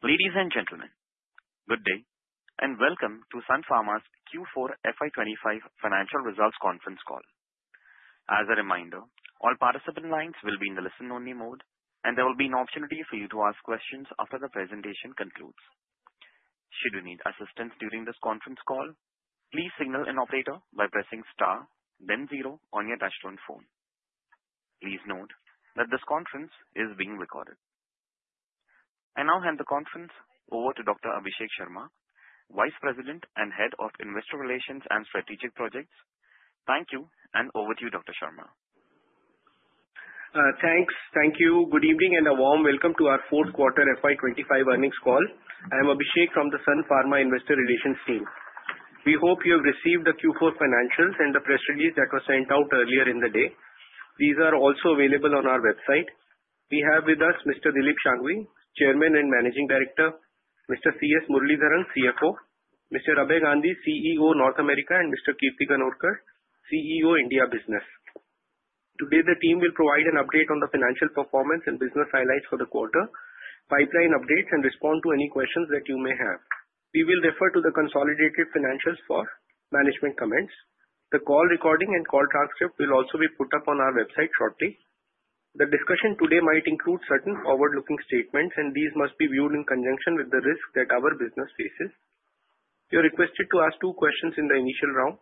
Ladies and gentlemen, good day, and welcome to Sun Pharma's Q4 FY2025 Financial Results Conference call. As a reminder, all participant lines will be in the listen-only mode, and there will be an opportunity for you to ask questions after the presentation concludes. Should you need assistance during this conference call, please signal an operator by pressing star, then zero on your touch-tone phone. Please note that this conference is being recorded. I now hand the conference over to Dr. Abhishek Sharma, Vice President and Head of Investor Relations and Strategic Projects. Thank you, and over to you, Dr. Sharma. Thanks. Thank you. Good evening and a warm welcome to our fourth quarter FY25 earnings call. I'm Abhishek from the Sun Pharma Investor Relations team. We hope you have received the Q4 financials and the press release that was sent out earlier in the day. These are also available on our website. We have with us Mr. Dilip Shanghvi, Chairman and Managing Director; Mr. C. S. Muralidharan, CFO; Mr. Abhay Gandhi, CEO North America; and Mr. Kirti Ganorkar, CEO India Business. Today, the team will provide an update on the financial performance and business highlights for the quarter, pipeline updates, and respond to any questions that you may have. We will refer to the consolidated financials for management comments. The call recording and call transcript will also be put up on our website shortly. The discussion today might include certain forward-looking statements, and these must be viewed in conjunction with the risk that our business faces. You're requested to ask two questions in the initial round.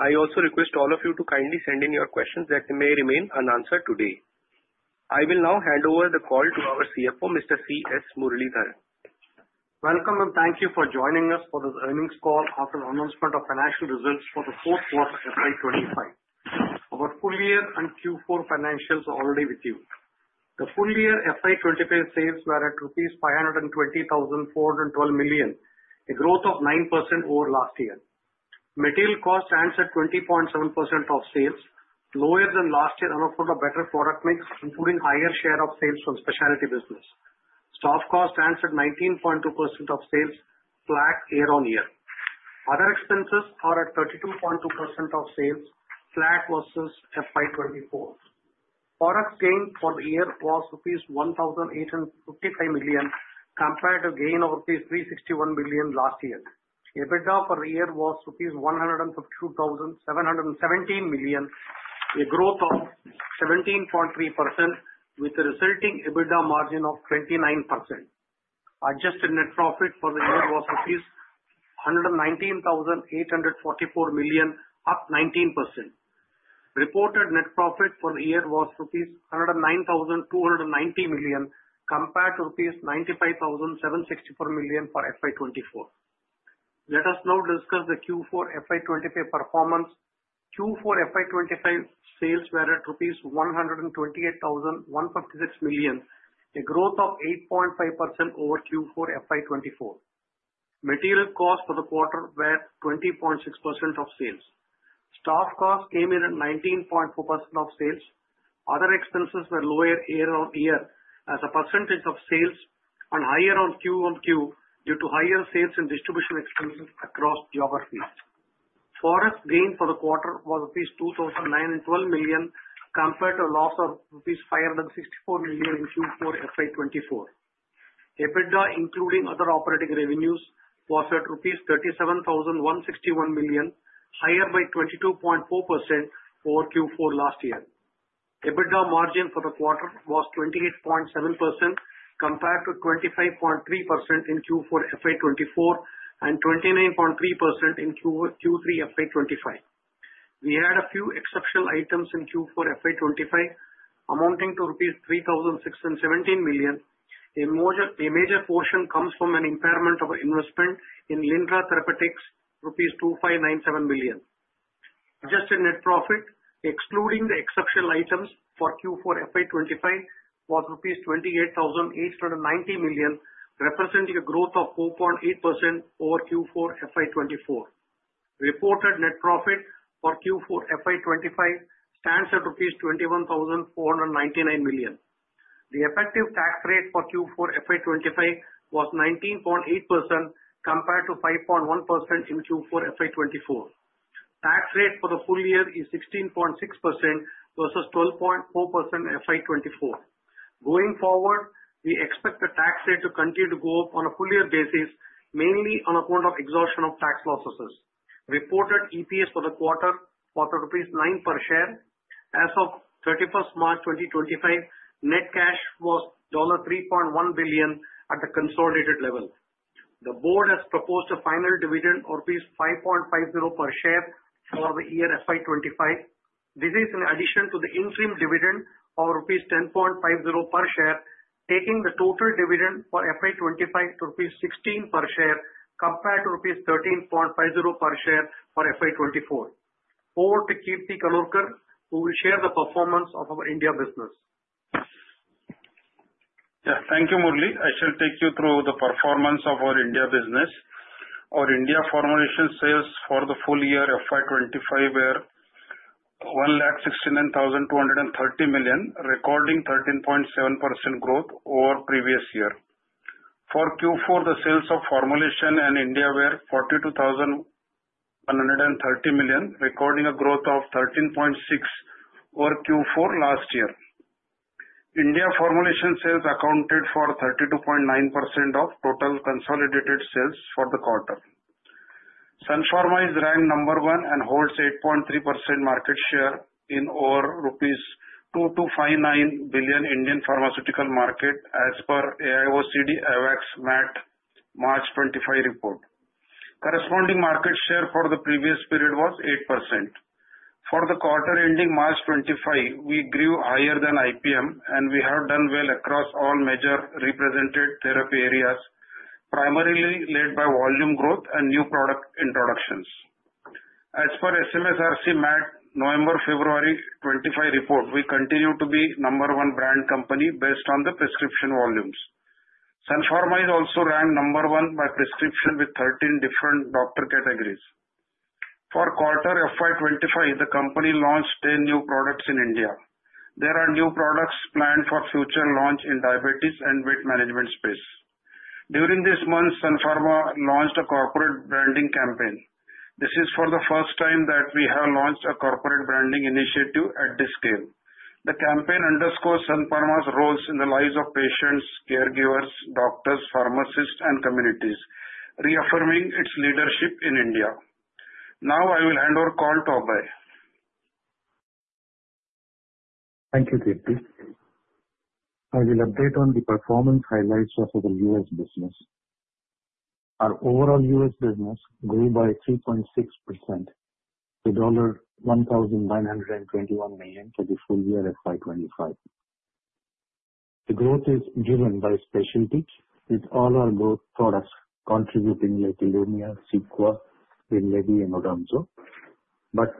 I also request all of you to kindly send in your questions that may remain unanswered today. I will now hand over the call to our CFO, Mr. C. S. Muralidharan. Welcome, and thank you for joining us for this earnings call after the announcement of financial results for the fourth quarter of FY25. Our full year and Q4 financials are already with you. The full year FY25 sales were at rupees 520,412 million, a growth of 9% over last year. Material costs answered 20.7% of sales, lower than last year and offered a better product mix, including a higher share of sales from specialty business. Stock costs answered 19.2% of sales, flat year on year. Other expenses are at 32.2% of sales, flat versus FY24. Product gain for the year was rupees 1,855 million, compared to gain of rupees 361 million last year. EBITDA for the year was rupees 152,717 million, a growth of 17.3%, with the resulting EBITDA margin of 29%. Adjusted net profit for the year was rupees 119,844 million, up 19%. Reported net profit for the year was rupees 109,290 million, compared to rupees 95,764 million for FY 2024. Let us now discuss the Q4 FY 2025 performance. Q4 FY 2025 sales were at rupees 128,156 million, a growth of 8.5% over Q4 FY 2024. Material costs for the quarter were 20.6% of sales. Stock costs came in at 19.4% of sales. Other expenses were lower year on year as a percentage of sales and higher on QoQ due to higher sales and distribution expenses across geographies. Forex gain for the quarter was rupees 2,012 million, compared to a loss of rupees 564 million in Q4 FY 2024. EBITDA, including other operating revenues, was at rupees 37,161 million, higher by 22.4% over Q4 last year. EBITDA margin for the quarter was 28.7%, compared to 25.3% in Q4 FY 2024 and 29.3% in Q3 FY 2025. We had a few exceptional items in Q4 FY 2025 amounting to INR 3,617 million. A major portion comes from an impairment of investment in Linara Therapeutics, INR 2,597 million. Adjusted net profit, excluding the exceptional items for Q4 FY25, was rupees 28,890 million, representing a growth of 4.8% over Q4 FY24. Reported net profit for Q4 FY25 stands at INR 21,499 million. The effective tax rate for Q4 FY25 was 19.8%, compared to 5.1% in Q4 FY24. Tax rate for the full year is 16.6% versus 12.4% in FY24. Going forward, we expect the tax rate to continue to go up on a full-year basis, mainly on account of exhaustion of tax losses. Reported EPS for the quarter was rupees 9 per share. As of 31st March 2025, net cash was $3.1 billion at the consolidated level. The board has proposed a final dividend of 5.50 per share for the year FY25. This is in addition to the interim dividend of rupees 10.50 per share, taking the total dividend for FY 2025 to rupees 16 per share, compared to rupees 13.50 per share for FY 2024. Over to Kirti Ganorkar, who will share the performance of our India business. Yeah, thank you, Murali. I shall take you through the performance of our India business. Our India formulation sales for the full year FY2025 were 169,230 million, recording 13.7% growth over previous year. For Q4, the sales of formulation in India were 42,130 million, recording a growth of 13.6% over Q4 last year. India formulation sales accounted for 32.9% of total consolidated sales for the quarter. Sun Pharma is ranked number one and holds 8.3% market share in over rupees 2,259 billion Indian pharmaceutical market as per AIOCD-AWACS MAT March 2025 report. Corresponding market share for the previous period was 8%. For the quarter ending March 2025, we grew higher than IPM, and we have done well across all major represented therapy areas, primarily led by volume growth and new product introductions. As per SMSRC MAT November-February 2025 report, we continue to be number one brand company based on the prescription volumes. Sun Pharma is also ranked number one by prescription with 13 different doctor categories. For quarter FY25, the company launched 10 new products in India. There are new products planned for future launch in diabetes and weight management space. During this month, Sun Pharma launched a corporate branding campaign. This is for the first time that we have launched a corporate branding initiative at this scale. The campaign underscores Sun Pharma's roles in the lives of patients, caregivers, doctors, pharmacists, and communities, reaffirming its leadership in India. Now, I will hand over call to Abhay. Thank you, Kirti. I will update on the performance highlights of our U.S. business. Our overall U.S. business grew by 3.6% to $1,921 million for the full year FY2025. The growth is driven by specialties, with all our growth products contributing like ILUMYA, CEQUA, WINLEVI, and ODOMZO, but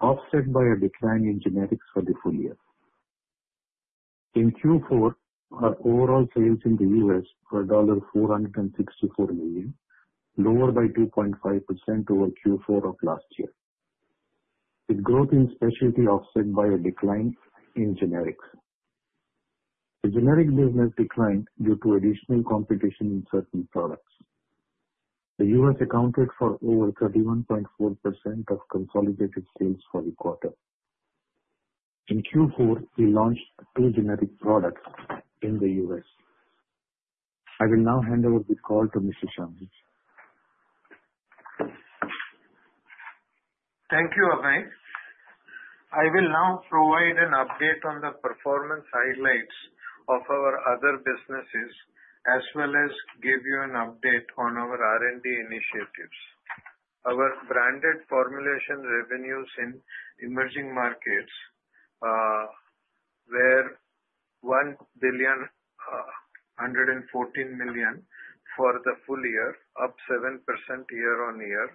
offset by a decline in generics for the full year. In Q4, our overall sales in the U.S. were $464 million, lower by 2.5% over Q4 of last year, with growth in specialty offset by a decline in generics. The generics business declined due to additional competition in certain products. The U.S. accounted for over 31.4% of consolidated sales for the quarter. In Q4, we launched two generic products in the U.S. I will now hand over the call to Mr. Shanghvi. Thank you, Abhay. I will now provide an update on the performance highlights of our other businesses, as well as give you an update on our R&D initiatives. Our branded formulation revenues in emerging markets were 1,114 million for the full year, up 7% year on year.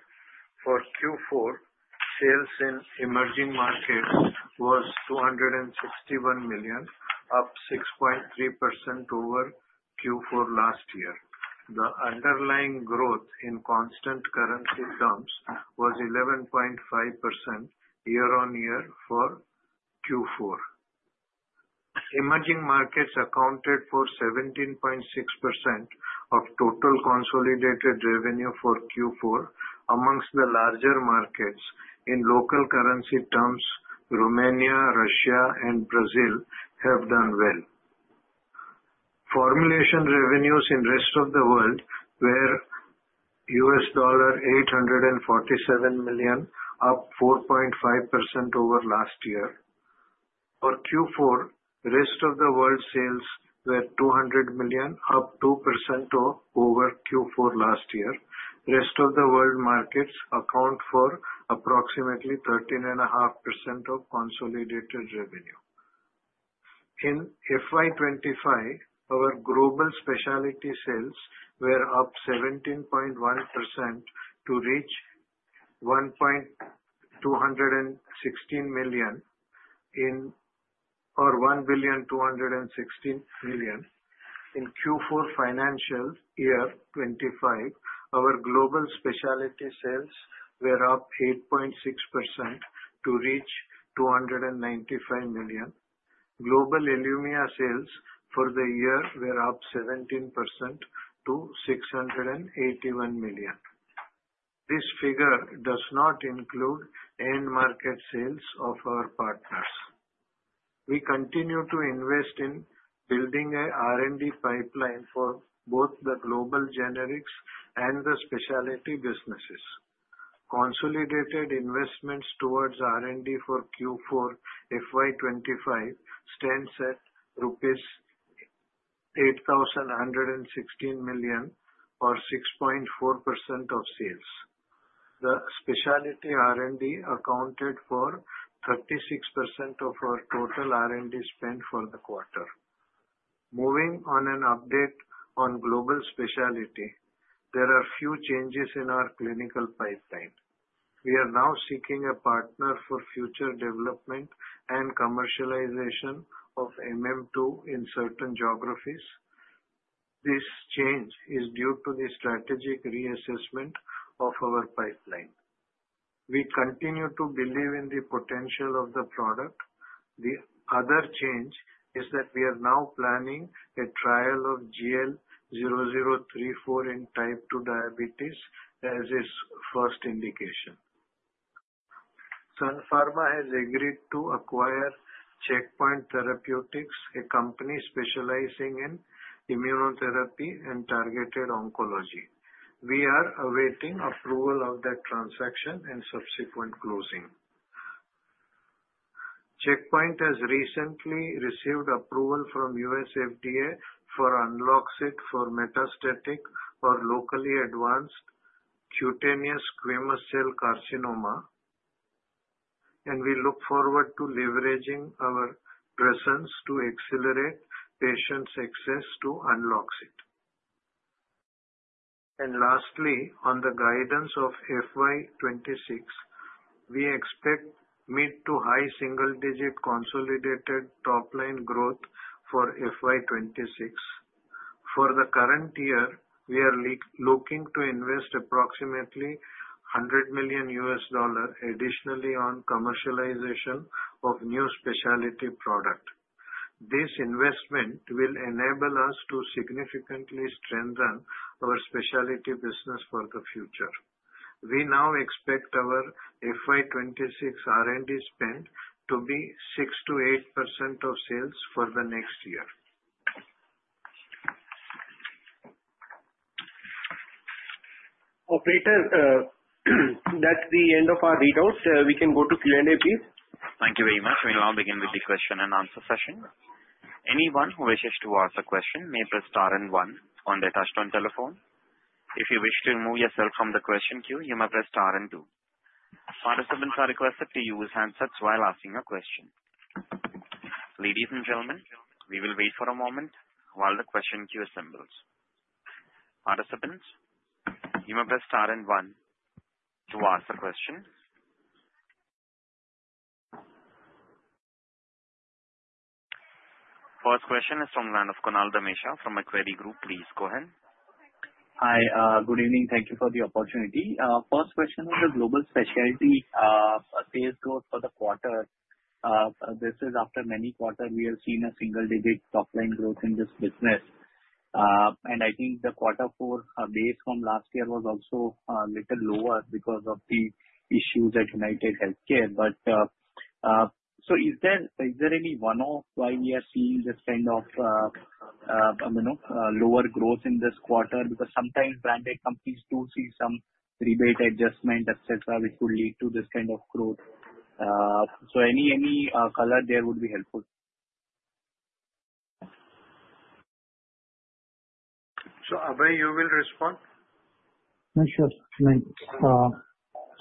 For Q4, sales in emerging markets was 261 million, up 6.3% over Q4 last year. The underlying growth in constant currency terms was 11.5% year on year for Q4. Emerging markets accounted for 17.6% of total consolidated revenue for Q4. Amongst the larger markets in local currency terms, Romania, Russia, and Brazil have done well. Formulation revenues in the rest of the world were $847 million, up 4.5% over last year. For Q4, the rest of the world sales were 200 million, up 2% over Q4 last year. The rest of the world markets account for approximately 13.5% of consolidated revenue. In FY25, our global specialty sales were up 17.1% to reach INR 1,216 million in Q4 financial year 2025. Our global specialty sales were up 8.6% to reach 295 million. Global ILUMYA sales for the year were up 17% to 681 million. This figure does not include end market sales of our partners. We continue to invest in building an R&D pipeline for both the global generics and the specialty businesses. Consolidated investments towards R&D for Q4 FY25 stand at rupees 8,116 million, or 6.4% of sales. The specialty R&D accounted for 36% of our total R&D spend for the quarter. Moving on, an update on global specialty, there are few changes in our clinical pipeline. We are now seeking a partner for future development and commercialization of MM-II in certain geographies. This change is due to the strategic reassessment of our pipeline. We continue to believe in the potential of the product. The other change is that we are now planning a trial of GL0034 in type 2 diabetes as its first indication. Sun Pharma has agreed to acquire Checkpoint Therapeutics, a company specializing in immunotherapy and targeted oncology. We are awaiting approval of that transaction and subsequent closing. Checkpoint has recently received approval from US FDA for UNLOXCYT for metastatic or locally advanced cutaneous squamous cell carcinoma, and we look forward to leveraging our presence to accelerate patients' access to UNLOXCYT. Lastly, on the guidance of FY2026, we expect mid to high single-digit consolidated top-line growth for FY2026. For the current year, we are looking to invest approximately $100 million additionally on commercialization of new specialty products. This investment will enable us to significantly strengthen our specialty business for the future. We now expect our FY 2026 R&D spend to be 6%-8% of sales for the next year. Okay, that's the end of our readouts. We can go to Q&A, please. Thank you very much. We'll now begin with the question and answer session. Anyone who wishes to ask a question may press star and one on their touchstone telephone. If you wish to remove yourself from the question queue, you may press star and two. Participants are requested to use handsets while asking a question. Ladies and gentlemen, we will wait for a moment while the question queue assembles. Participants, you may press star and one to ask a question. First question is from the line of Kunal Dhamesha from the Macquarie Group. Please go ahead. Hi, good evening. Thank you for the opportunity. First question is the global specialty sales growth for the quarter. This is after many quarters we have seen a single-digit top-line growth in this business. I think the quarter four base from last year was also a little lower because of the issues at UnitedHealthcare. Is there any one-off why we are seeing this kind of lower growth in this quarter? Sometimes branded companies do see some rebate adjustment, etc., which could lead to this kind of growth. Any color there would be helpful. Abhay, you will respond? Sure.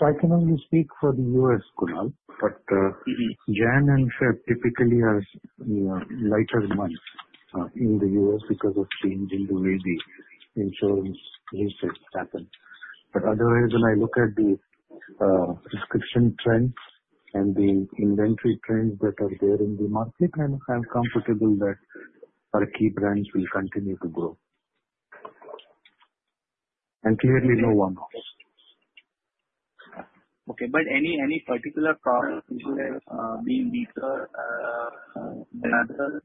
I can only speak for the US, Kunal, but January and February typically are lighter months in the US because of change in the way the insurance resets happens. Otherwise, when I look at the prescription trends and the inventory trends that are there in the market, I'm comfortable that our key brands will continue to grow. Clearly, no one else. Okay, but any particular product like being weaker than other?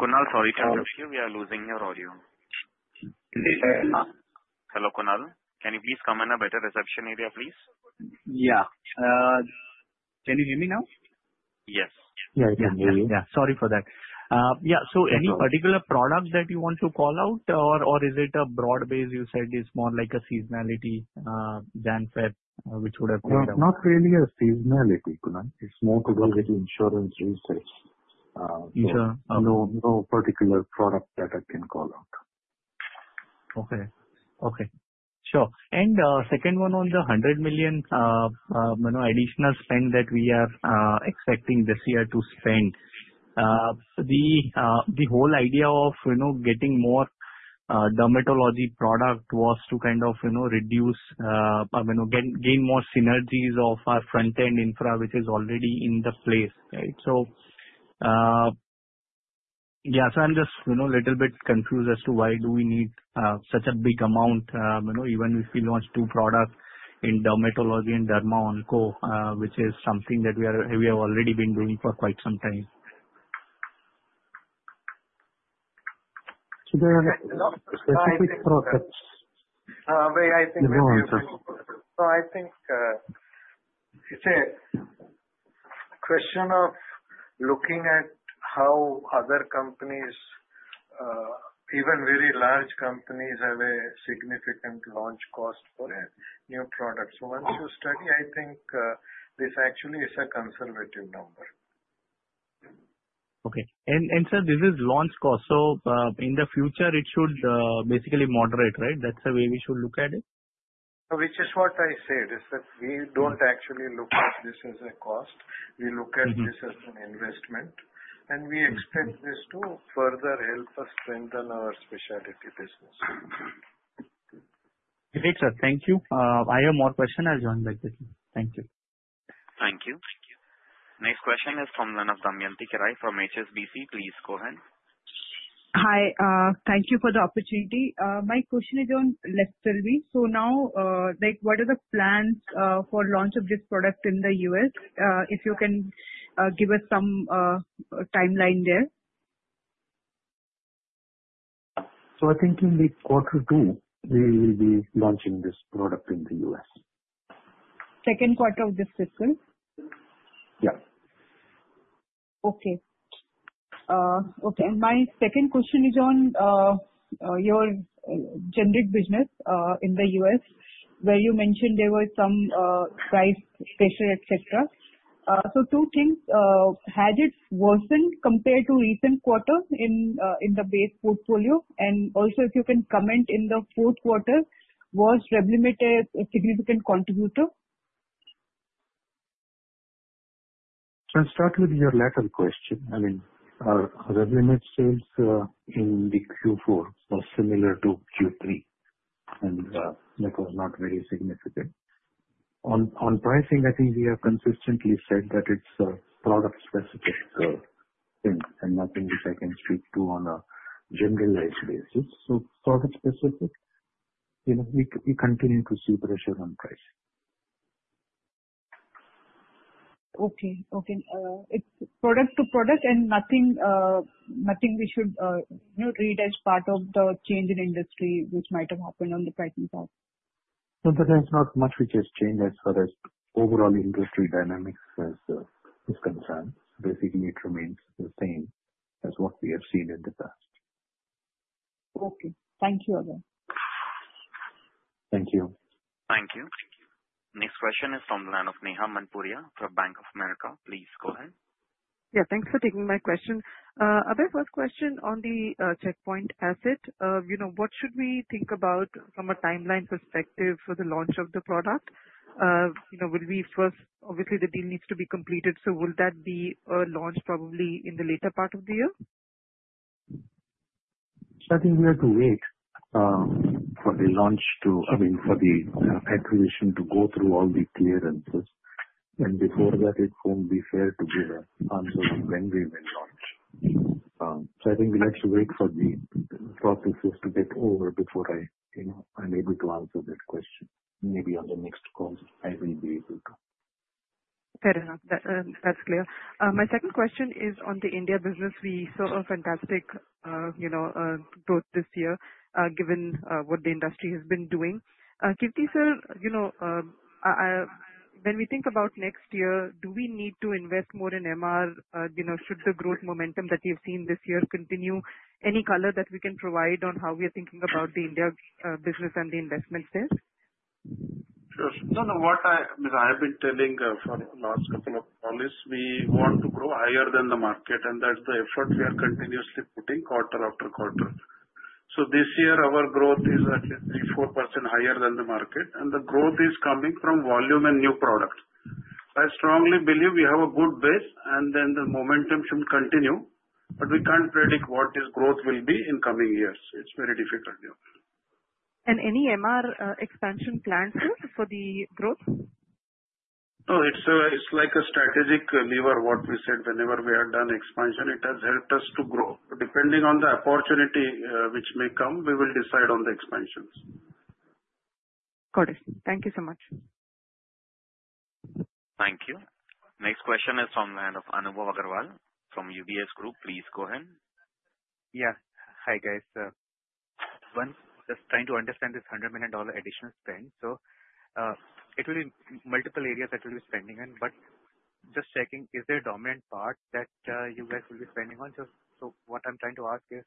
Kunal, sorry to interrupt you. We are losing your audio. Hello, Kunal. Can you please come in a better reception area, please? Yeah. Can you hear me now? Yes. Yeah, I can hear you. Yeah, sorry for that. Yeah, so any particular product that you want to call out, or is it a broad base you said is more like a seasonality than February, which would have paid off? No, it's not really a seasonality, Kunal. It's more to do with insurance resets. So no particular product that I can call out. Okay. Okay. Sure. Second one on the 100 million additional spend that we are expecting this year to spend, the whole idea of getting more dermatology product was to kind of reduce, gain more synergies of our front-end infra, which is already in the place, right? Yeah, I'm just a little bit confused as to why do we need such a big amount, even if we launch two products in dermatology and derma-onco, which is something that we have already been doing for quite some time. There are specific products. Abhay, I think. No answer. I think it's a question of looking at how other companies, even very large companies, have a significant launch cost for new products. Once you study, I think this actually is a conservative number. Okay. And sir, this is launch cost. In the future, it should basically moderate, right? That's the way we should look at it? Which is what I said, is that we do not actually look at this as a cost. We look at this as an investment, and we expect this to further help us strengthen our specialty business. Okay, sir, thank you. I have more questions. I'll join back with you. Thank you. Thank you. Next question is from Damayanti Kerai from HSBC. Please go ahead. Hi, thank you for the opportunity. My question is on Leqselvi. So now, what are the plans for launch of this product in the US? If you can give us some timeline there. I think in the quarter two, we will be launching this product in the U.S. Second quarter of this fiscal. Yeah. Okay. Okay. My second question is on your generic business in the US, where you mentioned there were some price pressure, etc. Two things. Has it worsened compared to recent quarter in the base portfolio? Also, if you can comment, in the fourth quarter, was REVLIMID a significant contributor? I'll start with your latter question. I mean, REVLIMID's sales in Q4 were similar to Q3, and that was not very significant. On pricing, I think we have consistently said that it's a product-specific thing, and nothing which I can speak to on a generalized basis. So product-specific, we continue to see pressure on price. Okay. Okay. It's product to product, and nothing we should read as part of the change in industry which might have happened on the pricing side. There is not much which has changed as far as overall industry dynamics is concerned. Basically, it remains the same as what we have seen in the past. Okay. Thank you again. Thank you. Thank you. Next question is from the line of Neha Manpuria from Bank of America. Please go ahead. Yeah, thanks for taking my question. Abhay, first question on the Checkpoint asset. What should we think about from a timeline perspective for the launch of the product? Will we first obviously, the deal needs to be completed. Will that be launched probably in the later part of the year? I think we have to wait for the launch to, I mean, for the acquisition to go through all the clearances. Before that, it will not be fair to give an answer when we will launch. I think we will have to wait for the processes to get over before I am able to answer that question. Maybe on the next call, I will be able to. Fair enough. That's clear. My second question is on the India business. We saw a fantastic growth this year given what the industry has been doing. Kirti Sir, when we think about next year, do we need to invest more in MR? Should the growth momentum that we've seen this year continue? Any color that we can provide on how we are thinking about the India business and the investments there? Sure. No, no. What I mean, I have been telling for the last couple of calls, we want to grow higher than the market, and that's the effort we are continuously putting quarter after quarter. This year, our growth is at least 3%-4% higher than the market, and the growth is coming from volume and new product. I strongly believe we have a good base, and then the momentum should continue, but we can't predict what this growth will be in coming years. It's very difficult. Any MR expansion plans for the growth? No, it's like a strategic lever, what we said. Whenever we are done expansion, it has helped us to grow. Depending on the opportunity which may come, we will decide on the expansions. Got it. Thank you so much. Thank you. Next question is from the line of Anubhav Agarwal from UBS Group. Please go ahead. Yeah. Hi, guys. One, just trying to understand this $100 million additional spend. It will be multiple areas that we'll be spending on, but just checking, is there a dominant part that you guys will be spending on? What I'm trying to ask is,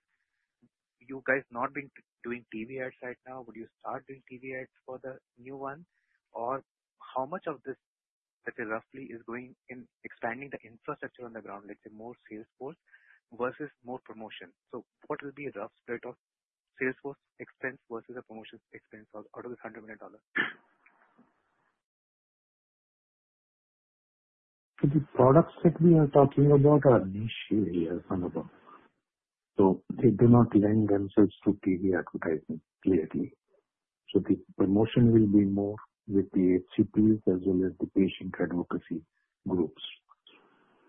you guys not being doing TV ads right now, would you start doing TV ads for the new one? Or how much of this, let's say roughly, is going in expanding the infrastructure on the ground, let's say more sales force versus more promotion? What will be a rough split of sales force expense versus the promotion expense out of this $100 million? The products that we are talking about are niche areas, Anubhav. So they do not lend themselves to TV advertising clearly. The promotion will be more with the HCPs as well as the patient advocacy groups.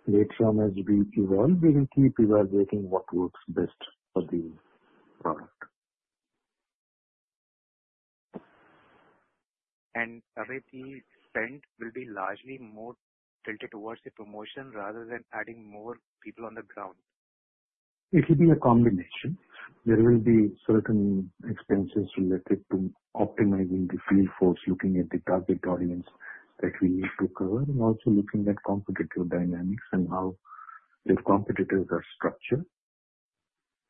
Later on, as we evolve, we will keep evaluating what works best for the product. Abhay, the spend will be largely more tilted towards the promotion rather than adding more people on the ground? It will be a combination. There will be certain expenses related to optimizing the field force, looking at the target audience that we need to cover, and also looking at competitive dynamics and how the competitors are structured.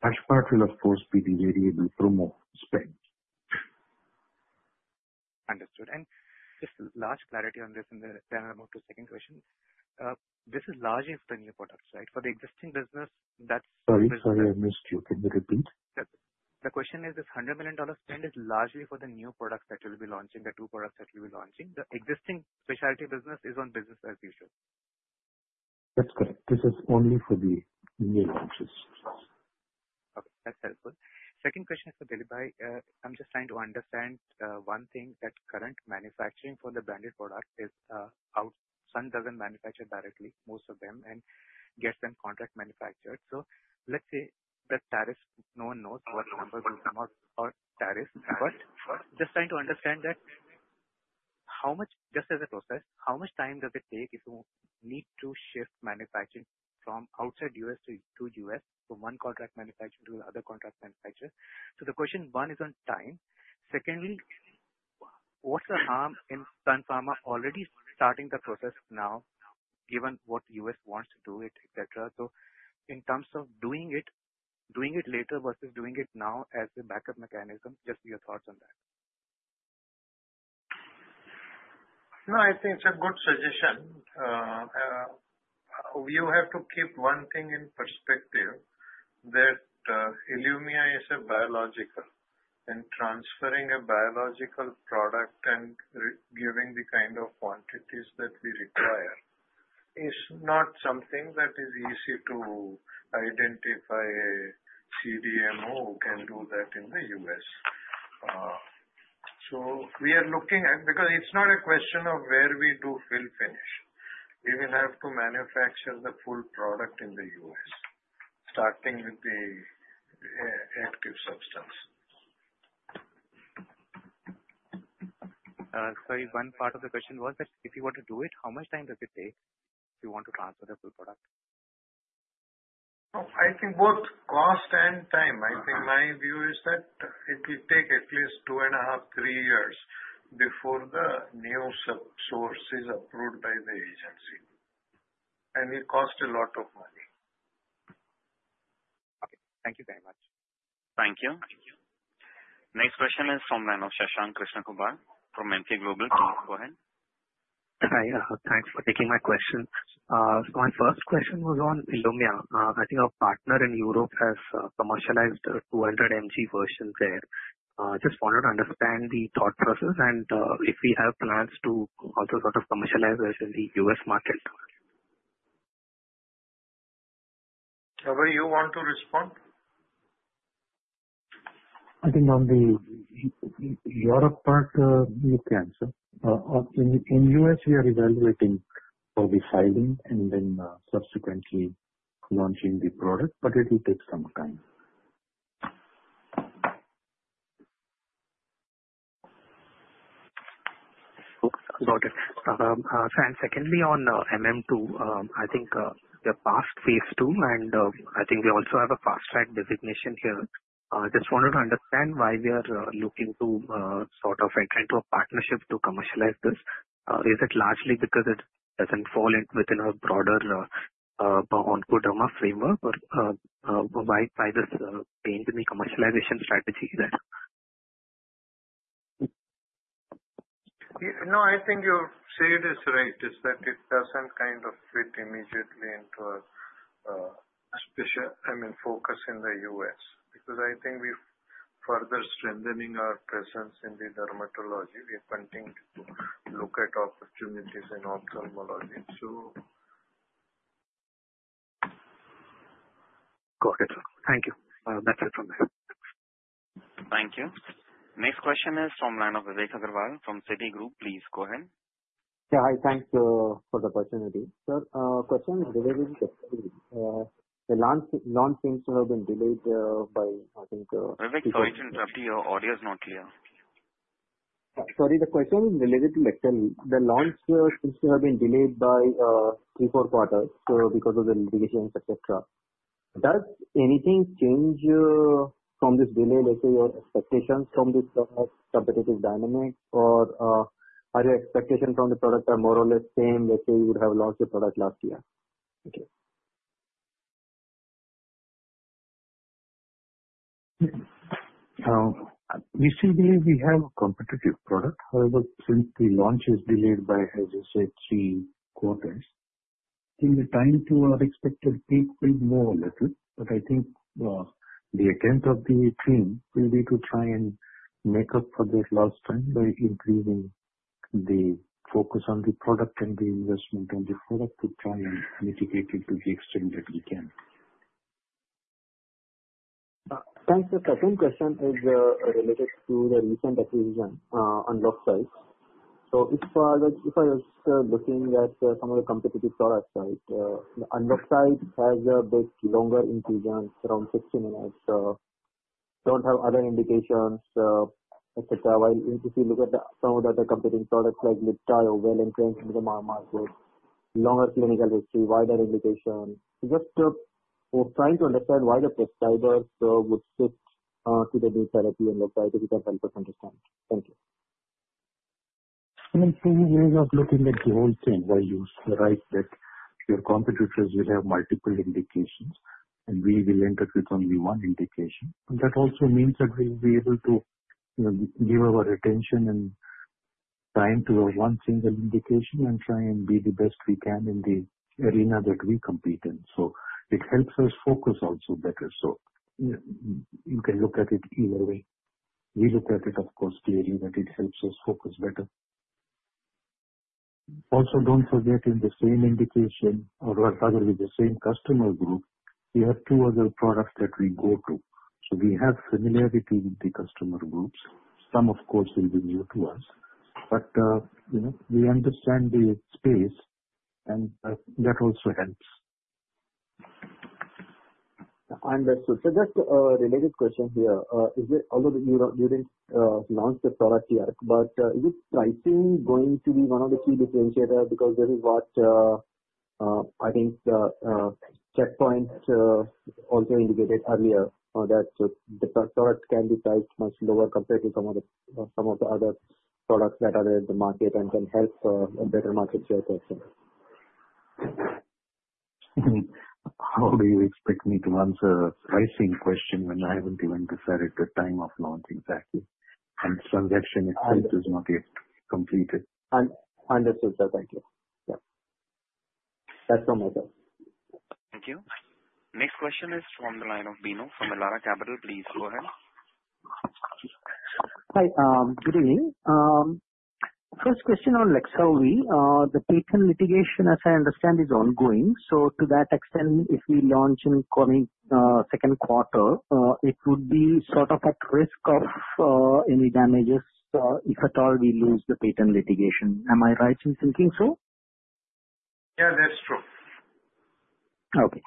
That part will, of course, be the variable promo spend. Understood. Just a last clarity on this in the line of the second question. This is largely for the new products, right? For the existing business, that's— Sorry, sorry, I missed you. Can you repeat? The question is, this $100 million spend is largely for the new products that we'll be launching, the two products that we'll be launching. The existing specialty business is on business as usual? That's correct. This is only for the new launches. Okay. That's helpful. Second question for Dilip Bhai. I'm just trying to understand one thing: that current manufacturing for the branded product is out. Sun doesn't manufacture directly, most of them, and gets them contract manufactured. Let's say the tariff, no one knows what numbers will come out or tariffs, but just trying to understand that how much—just as a process, how much time does it take if you need to shift manufacturing from outside US to US from one contract manufacturer to the other contract manufacturer? The question one is on time. Secondly, what's the harm in Sun Pharma already starting the process now, given what US wants to do it, etc.? In terms of doing it later versus doing it now as a backup mechanism, just your thoughts on that. No, I think it's a good suggestion. You have to keep one thing in perspective: that ILUMYA is a biological, and transferring a biological product and giving the kind of quantities that we require is not something that is easy to identify a CDMO who can do that in the U.S. We are looking at—because it's not a question of where we do fill finish. We will have to manufacture the full product in the U.S., starting with the active substance. Sorry, one part of the question was that if you were to do it, how much time does it take if you want to transfer the full product? I think both cost and time. I think my view is that it will take at least two and a half, three years before the new source is approved by the agency. It costs a lot of money. Okay. Thank you very much. Thank you. Next question is from the line of Shashank Krishnakumar from Emkay Global. Please go ahead. Hi. Thanks for taking my question. My first question was on ILUMYA. I think our partner in Europe has commercialized the 200 mg version there. Just wanted to understand the thought process and if we have plans to also sort of commercialize this in the U.S. market. Abhay, you want to respond? I think on the Europe part, you can answer. In the U.S., we are evaluating for refining and then subsequently launching the product, but it will take some time. Got it. Secondly, on MM-II, I think we are past phase two, and I think we also have a fast-track designation here. Just wanted to understand why we are looking to sort of enter into a partnership to commercialize this. Is it largely because it doesn't fall within a broader Oncoderma framework, or why this pain to the commercialization strategy there? No, I think your saying is right, is that it doesn't kind of fit immediately into a special, I mean, focus in the U.S. Because I think we've further strengthened our presence in the dermatology. We are continuing to look at opportunities in ophthalmology, so. Got it. Thank you. That's it from me. Thank you. Next question is from the line of Vivek Agarwal from Citigroup. Please go ahead. Yeah. Hi. Thanks for the opportunity. Sir, question is related to the launch seems to have been delayed by, I think. Vivek, sorry to interrupt you. Your audio is not clear. Sorry. The question is related to Leqselvi, the launch seems to have been delayed by three, four quarters because of the litigations, etc. Does anything change from this delay, let's say, your expectations from this competitive dynamic, or are your expectations from the product more or less the same, let's say you would have launched the product last year? Okay. We still believe we have a competitive product. However, since the launch is delayed by, as you said, three quarters, I think the time to our expected peak will move a little, but I think the attempt of the team will be to try and make up for that lost time by increasing the focus on the product and the investment on the product to try and mitigate it to the extent that we can. Thanks. Second question is related to the recent acquisition on the website. If I was looking at some of the competitive products, right, the UNLOXCYT has a bit longer incision, around 60 minutes, do not have other indications, etc. While if you look at some of the other competing products like Libtayo well entrenched with the market, longer clinical history, wider indication. Just trying to understand why the prescribers would shift to the new therapy UNLOXCYT, If you can help us understand. Thank you. I mean, we are looking at the whole thing, while you're right that your competitors will have multiple indications, and we will end up with only one indication. That also means that we'll be able to give our attention and time to one single indication and try and be the best we can in the arena that we compete in. It helps us focus also better. You can look at it either way. We look at it, of course, clearly that it helps us focus better. Also, do not forget in the same indication, or rather with the same customer group, we have two other products that we go to. We have similarity with the customer groups. Some, of course, will be new to us, but we understand the space, and that also helps. Understood. Just a related question here. Although you did not launch the product yet, is pricing going to be one of the key differentiators? This is what I think Checkpoint also indicated earlier, that the product can be priced much lower compared to some of the other products that are in the market and can help a better market share question. How do you expect me to answer a pricing question when I haven't even decided the time of launch exactly? The transaction is not yet completed. Understood, sir. Thank you. Yeah. That's all my side. Thank you. Next question is from the line of Bino from Elara Capital. Please go ahead. Hi. Good evening. First question on Leqselvi. The patent litigation, as I understand, is ongoing. To that extent, if we launch in coming second quarter, it would be sort of at risk of any damages if at all we lose the patent litigation. Am I right in thinking so? Yeah, that's true. Okay.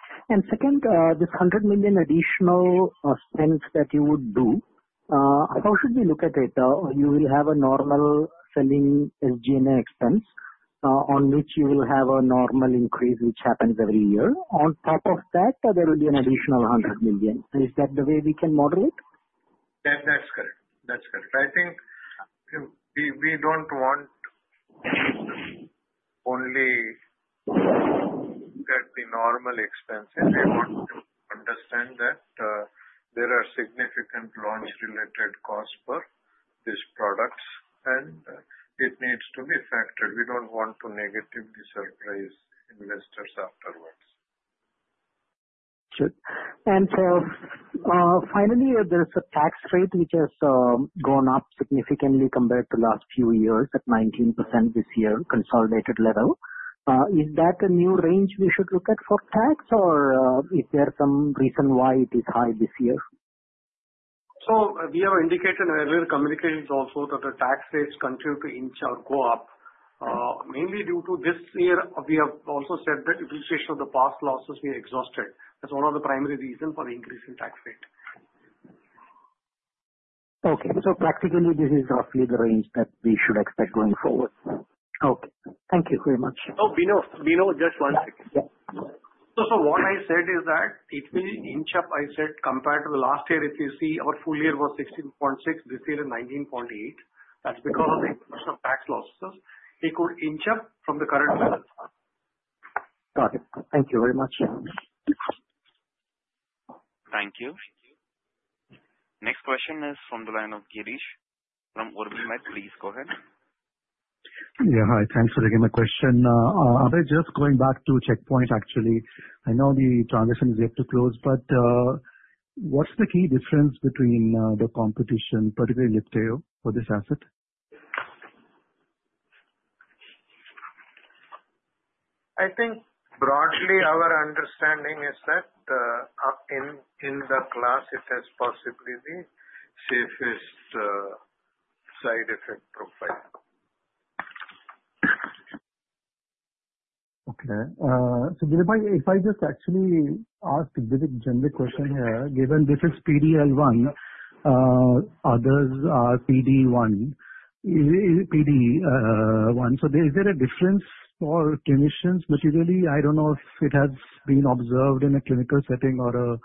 Second, this $100 million additional spend that you would do, how should we look at it? You will have a normal selling SG&A expense on which you will have a normal increase, which happens every year. On top of that, there will be an additional $100 million. Is that the way we can model it? That's correct. I think we don't want only the normal expenses. We want to understand that there are significant launch-related costs for these products, and it needs to be factored. We don't want to negatively surprise investors afterwards. Good. Finally, there's a tax rate which has gone up significantly compared to the last few years at 19% this year, consolidated level. Is that a new range we should look at for tax, or is there some reason why it is high this year? We have indicated earlier communications also that the tax rates continue to inch or go up, mainly due to this year. We have also said that the appreciation of the past losses we exhausted. That's one of the primary reasons for the increase in tax rate. Okay. So practically, this is roughly the range that we should expect going forward. Okay. Thank you very much. Oh, Bino, just one second. What I said is that it will inch up, I said, compared to last year. If you see, our full year was 16.6. This year is 19.8. That's because of the exponential tax losses. It could inch up from the current level. Got it. Thank you very much. Thank you. Next question is from the line of Girish from OrbiMed. Please go ahead. Yeah. Hi. Thanks for taking my question. Abhay, just going back to Checkpoint, actually. I know the transaction is yet to close, but what's the key difference between the competition, particularly Libtayo, for this asset? I think broadly, our understanding is that in the class, it has possibly the safest side effect profile. Okay. Dilip Bhai, if I just actually ask a very general question here, given this is PD-L1, others are PD-1. Is there a difference for clinicians? I don't know if it has been observed in a clinical setting or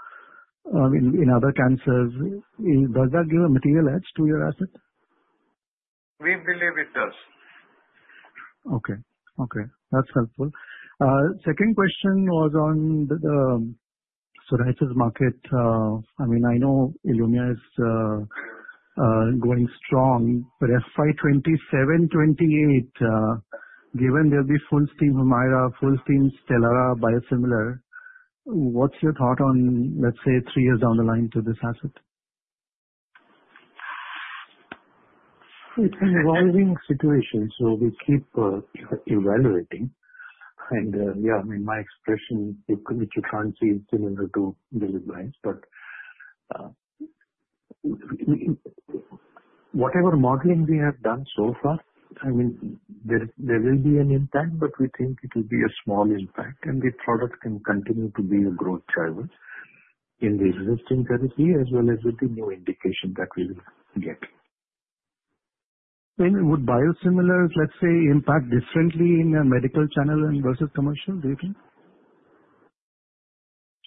in other cancers. Does that give a material edge to your asset? We believe it does. Okay. Okay. That's helpful. Second question was on the psoriasis market. I mean, I know ILUMYA is going strong, but FY 2027-2028, given there'll be full steam Humira, full steam Stelara biosimilar, what's your thought on, let's say, three years down the line to this asset? It's an evolving situation. We keep evaluating. Yeah, I mean, my expression, which you can't see, it's similar to Dilip Bhai, but whatever modeling we have done so far, there will be an impact, but we think it will be a small impact. The product can continue to be a growth driver in the existing therapy as well as with the new indication that we will get. Would biosimilars, let's say, impact differently in a medical channel versus commercial, do you think?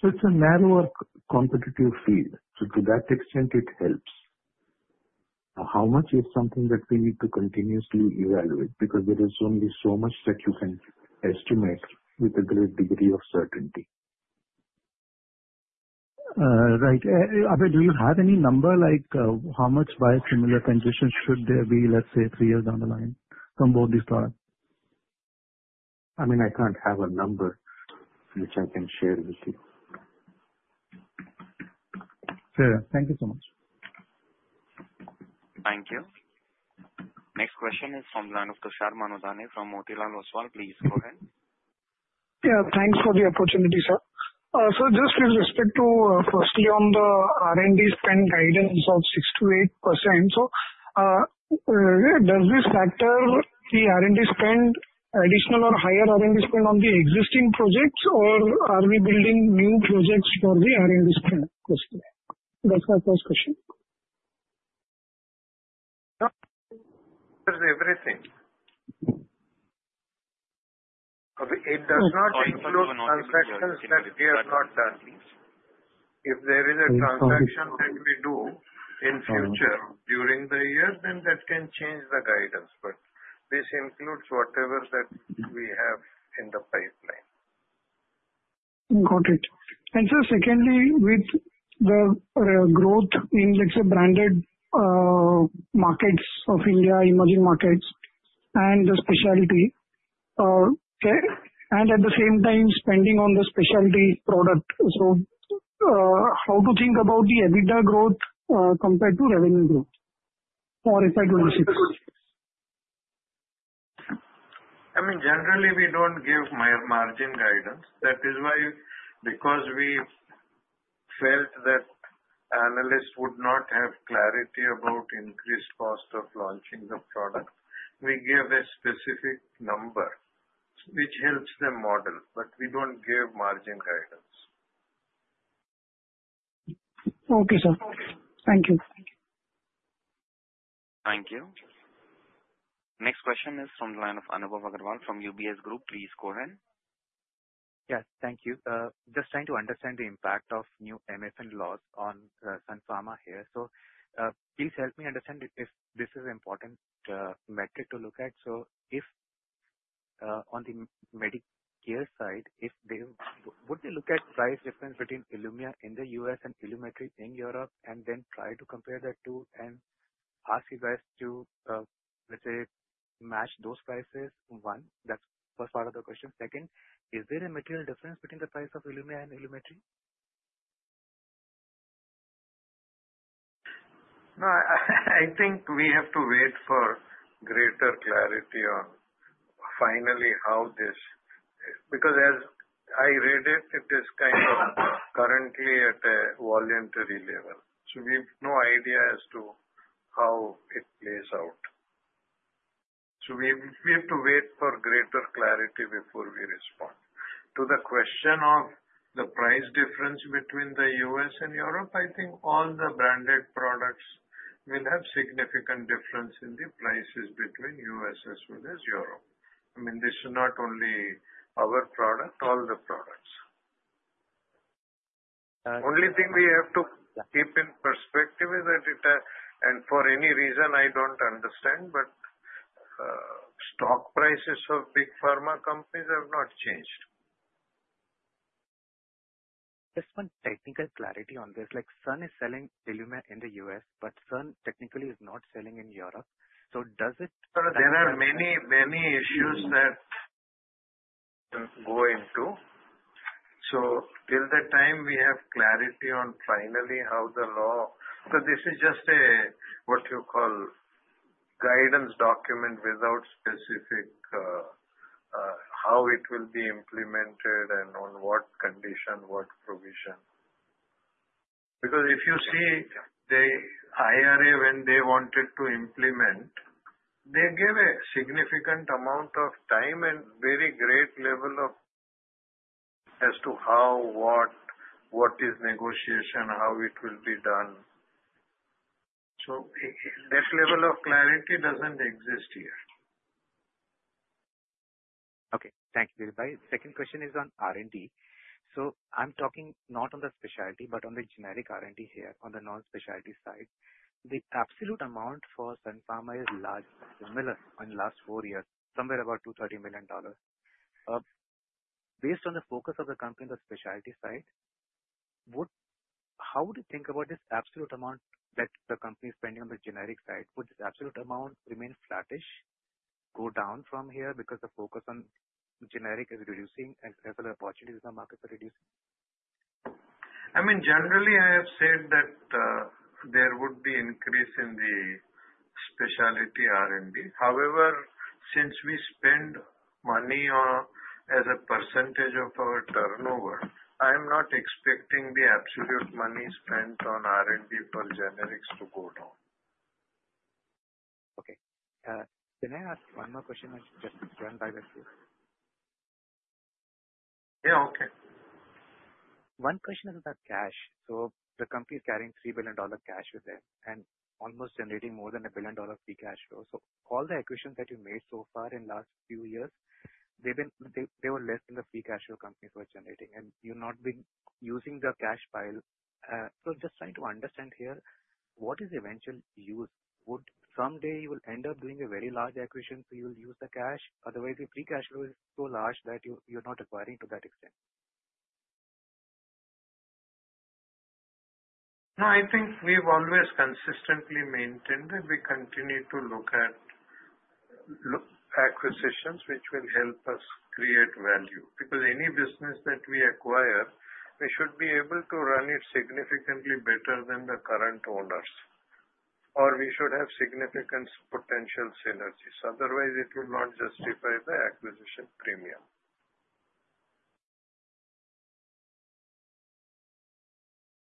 It's a narrower competitive field. To that extent, it helps. How much is something that we need to continuously evaluate? Because there is only so much that you can estimate with a great degree of certainty. Right. Abhay, do you have any number, like how much biosimilar transition should there be, let's say, three years down the line from both these products? I mean, I can't have a number which I can share with you. Fair enough. Thank you so much. Thank you. Next question is from the line of Tushar Manudhane from Motilal Oswal. Please go ahead. Yeah. Thanks for the opportunity, sir. Just with respect to, firstly, on the R&D spend guidance of 6%-8%, does this factor the R&D spend, additional or higher R&D spend on the existing projects, or are we building new projects for the R&D spend? That's my first question. It does everything. It does not include transactions that we have not done. If there is a transaction that we do in future during the year, then that can change the guidance. This includes whatever that we have in the pipeline. Got it. Secondly, with the growth in, let's say, branded markets of India, emerging markets, and the specialty, and at the same time, spending on the specialty product, how to think about the EBITDA growth compared to revenue growth for FY 2026? I mean, generally, we don't give margin guidance. That is why, because we felt that analysts would not have clarity about increased cost of launching the product, we give a specific number which helps them model, but we don't give margin guidance. Okay, sir. Thank you. Thank you. Next question is from the line of Anubhav Agarwal from UBS Group. Please go ahead. Yes. Thank you. Just trying to understand the impact of new MFN laws on Sun Pharma here. Please help me understand if this is an important metric to look at. On the Medicare side, would they look at price difference between ILUMYA in the US and Ilumetri in Europe, and then try to compare the two and ask you guys to, let's say, match those prices? One, that's the first part of the question. Second, is there a material difference between the price of ILUMYA and Ilumetri? No. I think we have to wait for greater clarity on finally how this, because as I read it, it is kind of currently at a voluntary level. So we have no idea as to how it plays out. We have to wait for greater clarity before we respond. To the question of the price difference between the US and Europe, I think all the branded products will have significant difference in the prices between US as well as Europe. I mean, this is not only our product, all the products. The only thing we have to keep in perspective is that, and for any reason, I do not understand, but stock prices of big pharma companies have not changed. Just one technical clarity on this. Sun is selling ILUMYA in the US, but Sun technically is not selling in Europe. So does it? There are many issues that go into it. Till the time we have clarity on finally how the law, because this is just a, what you call, guidance document without specific how it will be implemented and on what condition, what provision. If you see the IRA, when they wanted to implement, they gave a significant amount of time and very great level of detail as to how, what, what is negotiation, how it will be done. That level of clarity does not exist here. Okay. Thank you, Dilip Bhai. Second question is on R&D. So I'm talking not on the specialty, but on the generic R&D here, on the non-specialty side. The absolute amount for Sun Pharma is large similarly in the last four years, somewhere about $230 million. Based on the focus of the company on the specialty side, how do you think about this absolute amount that the company is spending on the generic side? Would this absolute amount remain flattish, go down from here because the focus on generic is reducing as well as opportunities in the market are reducing? I mean, generally, I have said that there would be increase in the specialty R&D. However, since we spend money as a percentage of our turnover, I am not expecting the absolute money spent on R&D for generics to go down. Okay. Can I ask one more question? I just ran by my field. Yeah. Okay. One question is about cash. The company is carrying $3 billion cash within and almost generating more than $1 billion free cash flow. All the acquisitions that you made so far in the last few years, they were less than the free cash flow companies were generating. You are not using the cash pile. Just trying to understand here, what is eventual use? Someday, you will end up doing a very large acquisition, so you will use the cash. Otherwise, your free cash flow is so large that you are not acquiring to that extent. No, I think we've always consistently maintained that we continue to look at acquisitions, which will help us create value. Because any business that we acquire, we should be able to run it significantly better than the current owners, or we should have significant potential synergies. Otherwise, it will not justify the acquisition premium.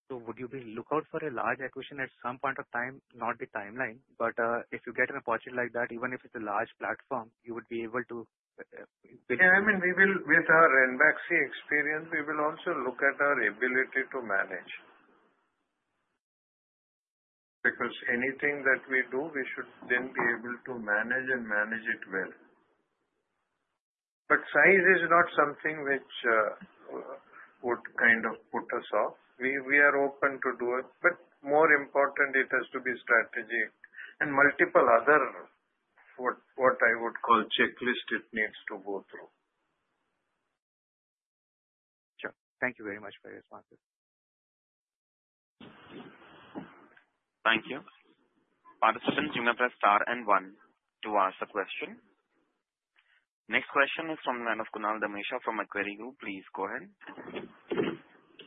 Would you be looking out for a large acquisition at some point of time? Not the timeline, but if you get an opportunity like that, even if it's a large platform, you would be able to. Yeah. I mean, with our NVAXE experience, we will also look at our ability to manage. Because anything that we do, we should then be able to manage and manage it well. Size is not something which would kind of put us off. We are open to do it. More important, it has to be strategic and multiple other what I would call checklist it needs to go through. Sure. Thank you very much for your responses. Thank you. Participants, you're going to press star and one to ask the question. Next question is from the line of Kunal Dhamesha from the Macquarie Group. Please go ahead.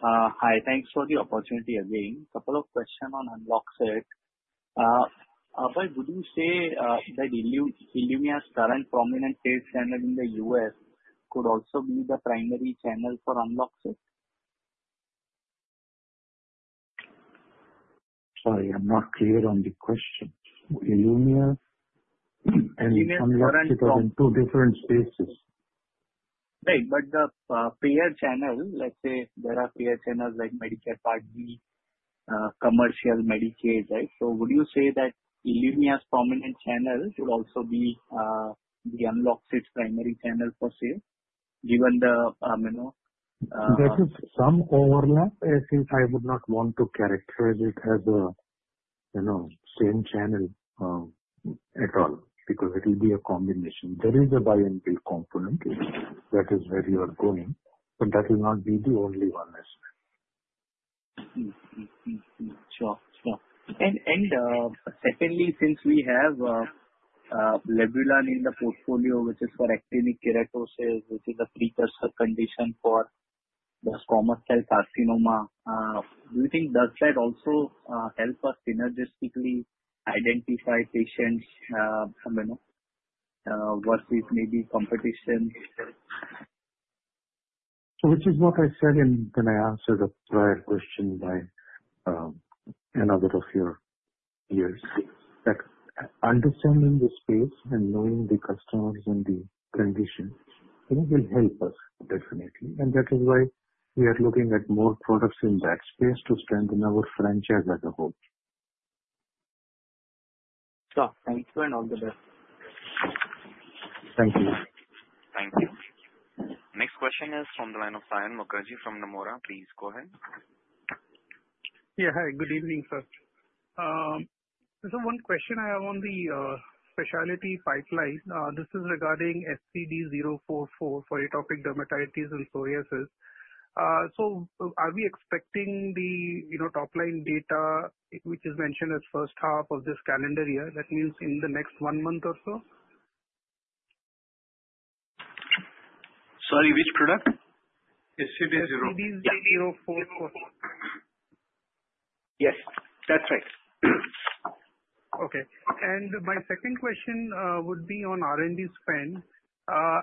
Hi. Thanks for the opportunity again. A couple of questions on UNLOXCYT. Abhay, would you say that ILUMYA's current prominent sales channel in the US could also be the primary channel for UNLOXCYT? Sorry, I'm not clear on the question. ILUMYA and UNLOXCYT are in two different spaces. Right. But the payer channel, let's say there are payer channels like Medicare Part B, commercial, Medicaid, right? Would you say that ILUMYA's prominent channel could also be the UNLOXCYT's primary channel for sale, given the. There could be some overlap, since I would not want to characterize it as a same channel at all because it will be a combination. There is a buy-and-bill component that is where you are going, but that will not be the only one. Sure. Sure. And secondly, since we have Levolin in the portfolio, which is for actinic keratosis, which is a precursor condition for the squamous cell carcinoma, do you think does that also help us synergistically identify patients versus maybe competition? Which is what I said when I answered the prior question by another of your peers. Understanding the space and knowing the customers and the condition will help us definitely. That is why we are looking at more products in that space to strengthen our franchise as a whole. Sure. Thank you and all the best. Thank you. Thank you. Next question is from the line of Saion Mukherjee from Nomura. Please go ahead. Yeah. Hi. Good evening, sir. One question I have on the specialty pipeline. This is regarding SCD-044 for atopic dermatitis and psoriasis. Are we expecting the top-line data, which is mentioned as first half of this calendar year? That means in the next one month or so? Sorry, which product? SCD-044. SCD-044. Yes. That's right. Okay. My second question would be on R&D spend.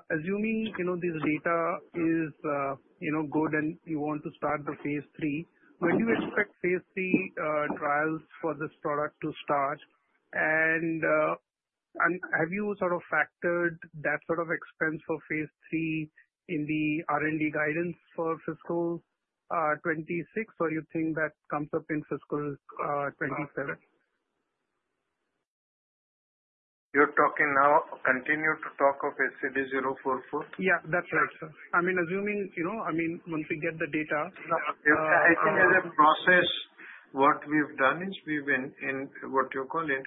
Assuming this data is good and you want to start the phase three, when do you expect phase three trials for this product to start? Have you sort of factored that sort of expense for phase three in the R&D guidance for fiscal 2026, or you think that comes up in fiscal 2027? You're talking now, continue to talk of SCD-044? Yeah. That's right, sir. I mean, assuming, I mean, once we get the data. I think as a process, what we've done is we've been in, what you call it,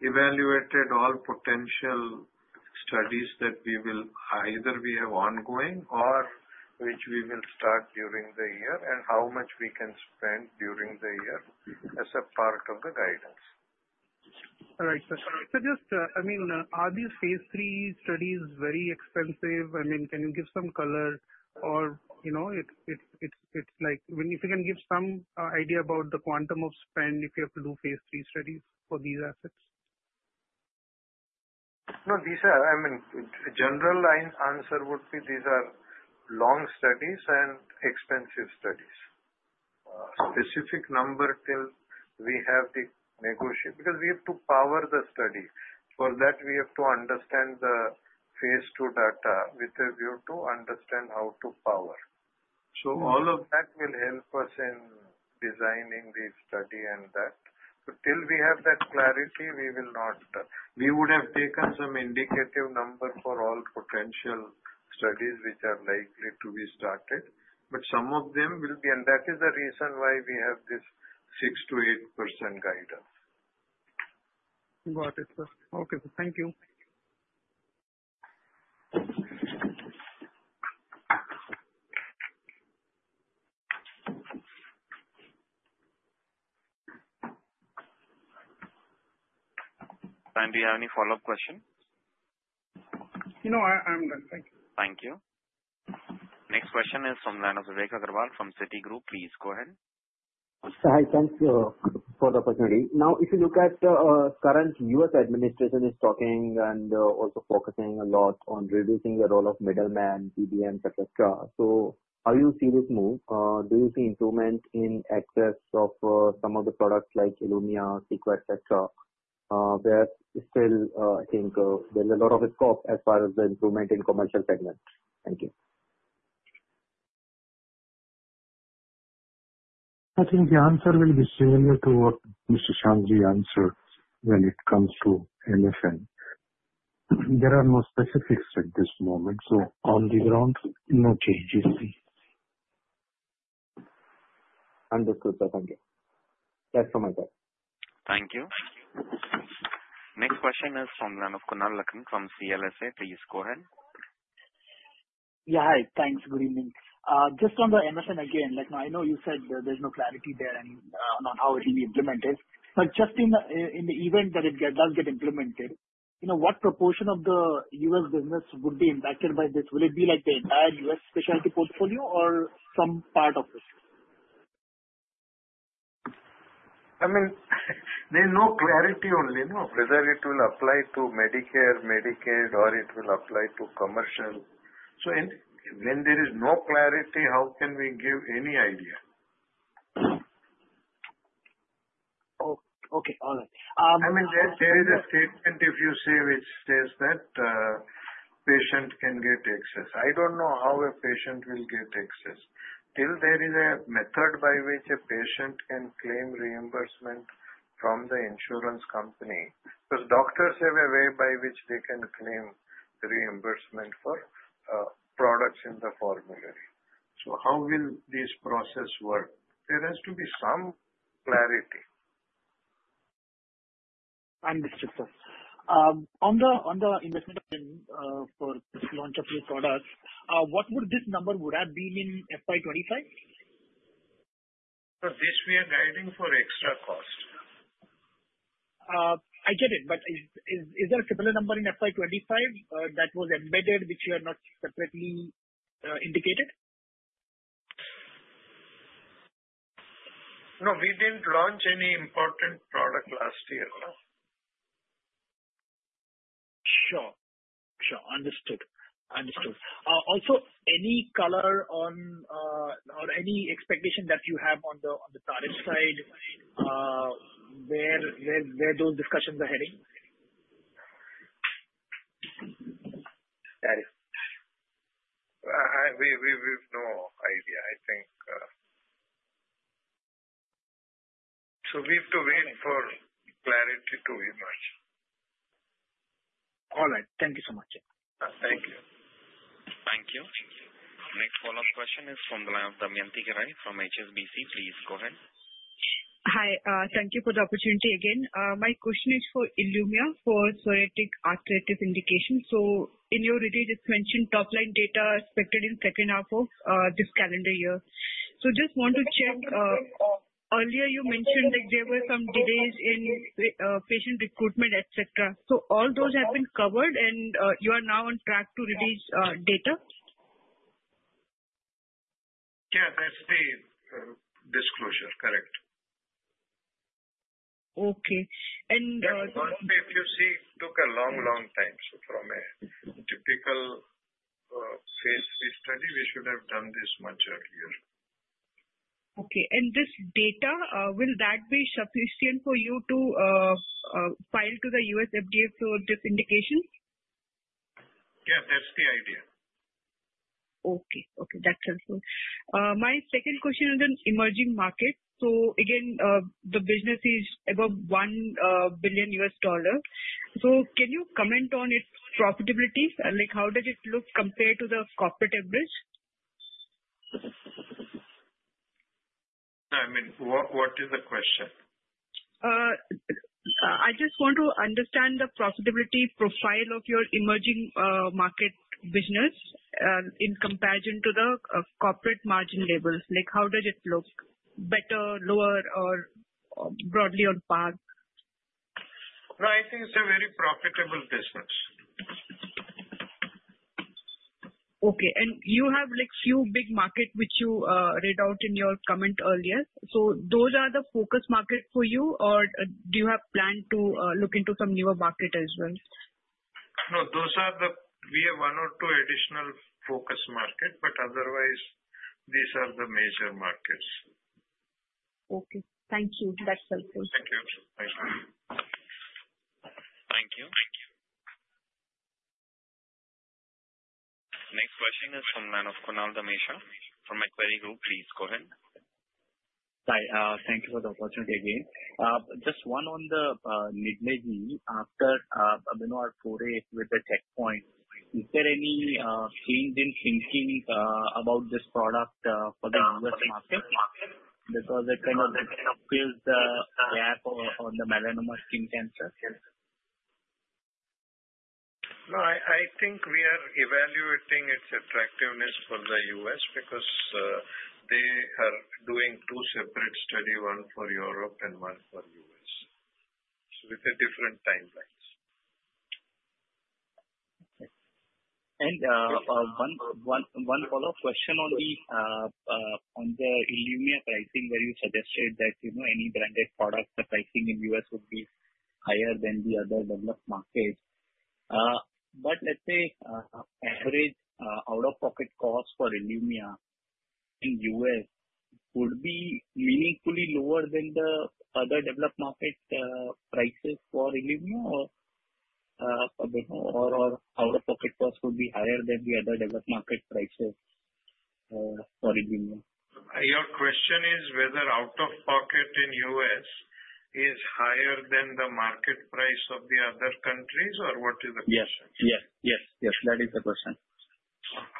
evaluated all potential studies that we will either we have ongoing or which we will start during the year and how much we can spend during the year as a part of the guidance. All right, sir. Just, I mean, are these phase three studies very expensive? I mean, can you give some color? Or if you can give some idea about the quantum of spend if you have to do phase three studies for these assets? No, these are, I mean, general answer would be these are long studies and expensive studies. Specific number till we have the negotiate because we have to power the study. For that, we have to understand the phase two data with a view to understand how to power. All of that will help us in designing the study and that. Till we have that clarity, we will not, we would have taken some indicative number for all potential studies which are likely to be started. Some of them will be, and that is the reason why we have this 6%-8% guidance. Got it, sir. Okay. Thank you. Saion, do you have any follow-up question? No, I'm done. Thank you. Thank you. Next question is from the line of Vivek Agarwal from Citigroup. Please go ahead. Hi. Thanks for the opportunity. Now, if you look at the current U.S. administration is talking and also focusing a lot on reducing the role of middlemen, CDMOs, etc. How do you see this move? Do you see improvement in access of some of the products like ILUMYA, CEQUA, etc., where still I think there's a lot of scope as far as the improvement in commercial segment? Thank you. I think the answer will be similar to what Mr. Shanghvi answered when it comes to MFN. There are no specifics at this moment. So on the ground, no changes. Understood, sir. Thank you. That's all my part. Thank you. Next question is from the line of Kunal Lakhan from CLSA. Please go ahead. Yeah. Hi. Thanks. Good evening. Just on the MFN again, I know you said there's no clarity there on how it will be implemented. Just in the event that it does get implemented, what proportion of the U.S. business would be impacted by this? Will it be the entire U.S. specialty portfolio or some part of it? I mean, there is no clarity on whether it will apply to Medicare, Medicaid, or it will apply to commercial. When there is no clarity, how can we give any idea? Okay. All right. I mean, there is a statement if you say which says that patient can get access. I don't know how a patient will get access. Still, there is a method by which a patient can claim reimbursement from the insurance company because doctors have a way by which they can claim reimbursement for products in the formulary. How will this process work? There has to be some clarity. Understood, sir. On the investment option for this launch of new products, what would this number have been in FY 2025? We are guiding for extra cost. I get it. But is there a similar number in FY 2025 that was embedded which you have not separately indicated? No, we didn't launch any important product last year. Sure. Understood. Also, any color on or any expectation that you have on the tariff side, where those discussions are heading? We have no idea. I think we have to wait for clarity to emerge. All right. Thank you so much. Thank you. Thank you. Next follow-up question is from the line of Damayanti Kerai from HSBC. Please go ahead. Hi. Thank you for the opportunity again. My question is for ILUMYA for psoriatic arthritis indication. In your release, it mentioned top-line data expected in second half of this calendar year. I just want to check. Earlier, you mentioned there were some delays in patient recruitment, etc. Have all those been covered, and you are now on track to release data? Yeah. That's the disclosure. Correct. Okay. And. Yeah. It's only if you see it took a long, long time. From a typical phase three study, we should have done this much earlier. Okay. And this data, will that be sufficient for you to file to the US FDA for this indication? Yeah. That's the idea. Okay. Okay. That's helpful. My second question is on emerging markets. Again, the business is above $1 billion. Can you comment on its profitability? How does it look compared to the corporate average? I mean, what is the question? I just want to understand the profitability profile of your emerging market business in comparison to the corporate margin labels. How does it look? Better, lower, or broadly on par? No, I think it's a very profitable business. Okay. You have a few big markets which you read out in your comment earlier. Those are the focus markets for you, or do you have plan to look into some newer markets as well? No, those are the we have one or two additional focus markets, but otherwise, these are the major markets. Okay. Thank you. That's helpful. Thank you. Thank you. Next question is from the line of Kunal Dhamesha from My Macquarie Group. Please go ahead. Hi. Thank you for the opportunity again. Just one on the Nidlegy, after AminoR48 with the Checkpoint, is there any change in thinking about this product for the U.S. market? Because it kind of fills the gap on the melanoma skin cancer. No, I think we are evaluating its attractiveness for the US because they are doing two separate studies, one for Europe and one for US, with different timelines. One follow-up question on the ILUMYA pricing, where you suggested that any branded product, the pricing in the US would be higher than the other developed markets. Let's say average out-of-pocket cost for ILUMYA in the US would be meaningfully lower than the other developed market prices for ILUMYA, or out-of-pocket cost would be higher than the other developed market prices for ILUMYA? Your question is whether out-of-pocket in the US is higher than the market price of the other countries, or what is the question? Yes. That is the question.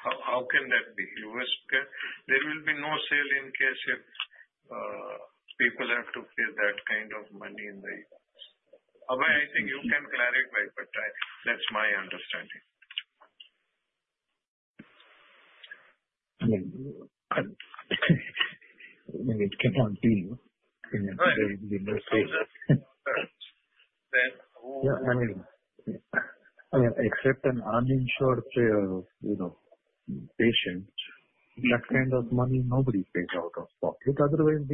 How can that be? There will be no sale in case if people have to pay that kind of money in the U.S. However, I think you can clarify, but that's my understanding. I mean, it cannot be in the U.S. Except an uninsured patient, that kind of money, nobody pays out of pocket. Otherwise,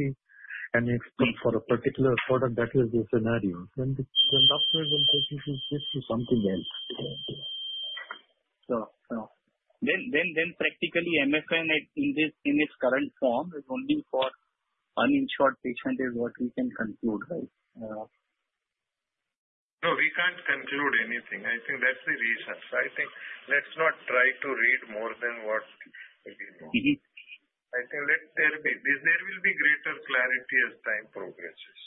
for a particular product, that is the scenario. When doctors and physicians switch to something else. Sure. Sure. Then practically, MFN in its current form is only for uninsured patients, is what we can conclude, right? No, we can't conclude anything. I think that's the reason. I think let's not try to read more than what it is. I think there will be greater clarity as time progresses.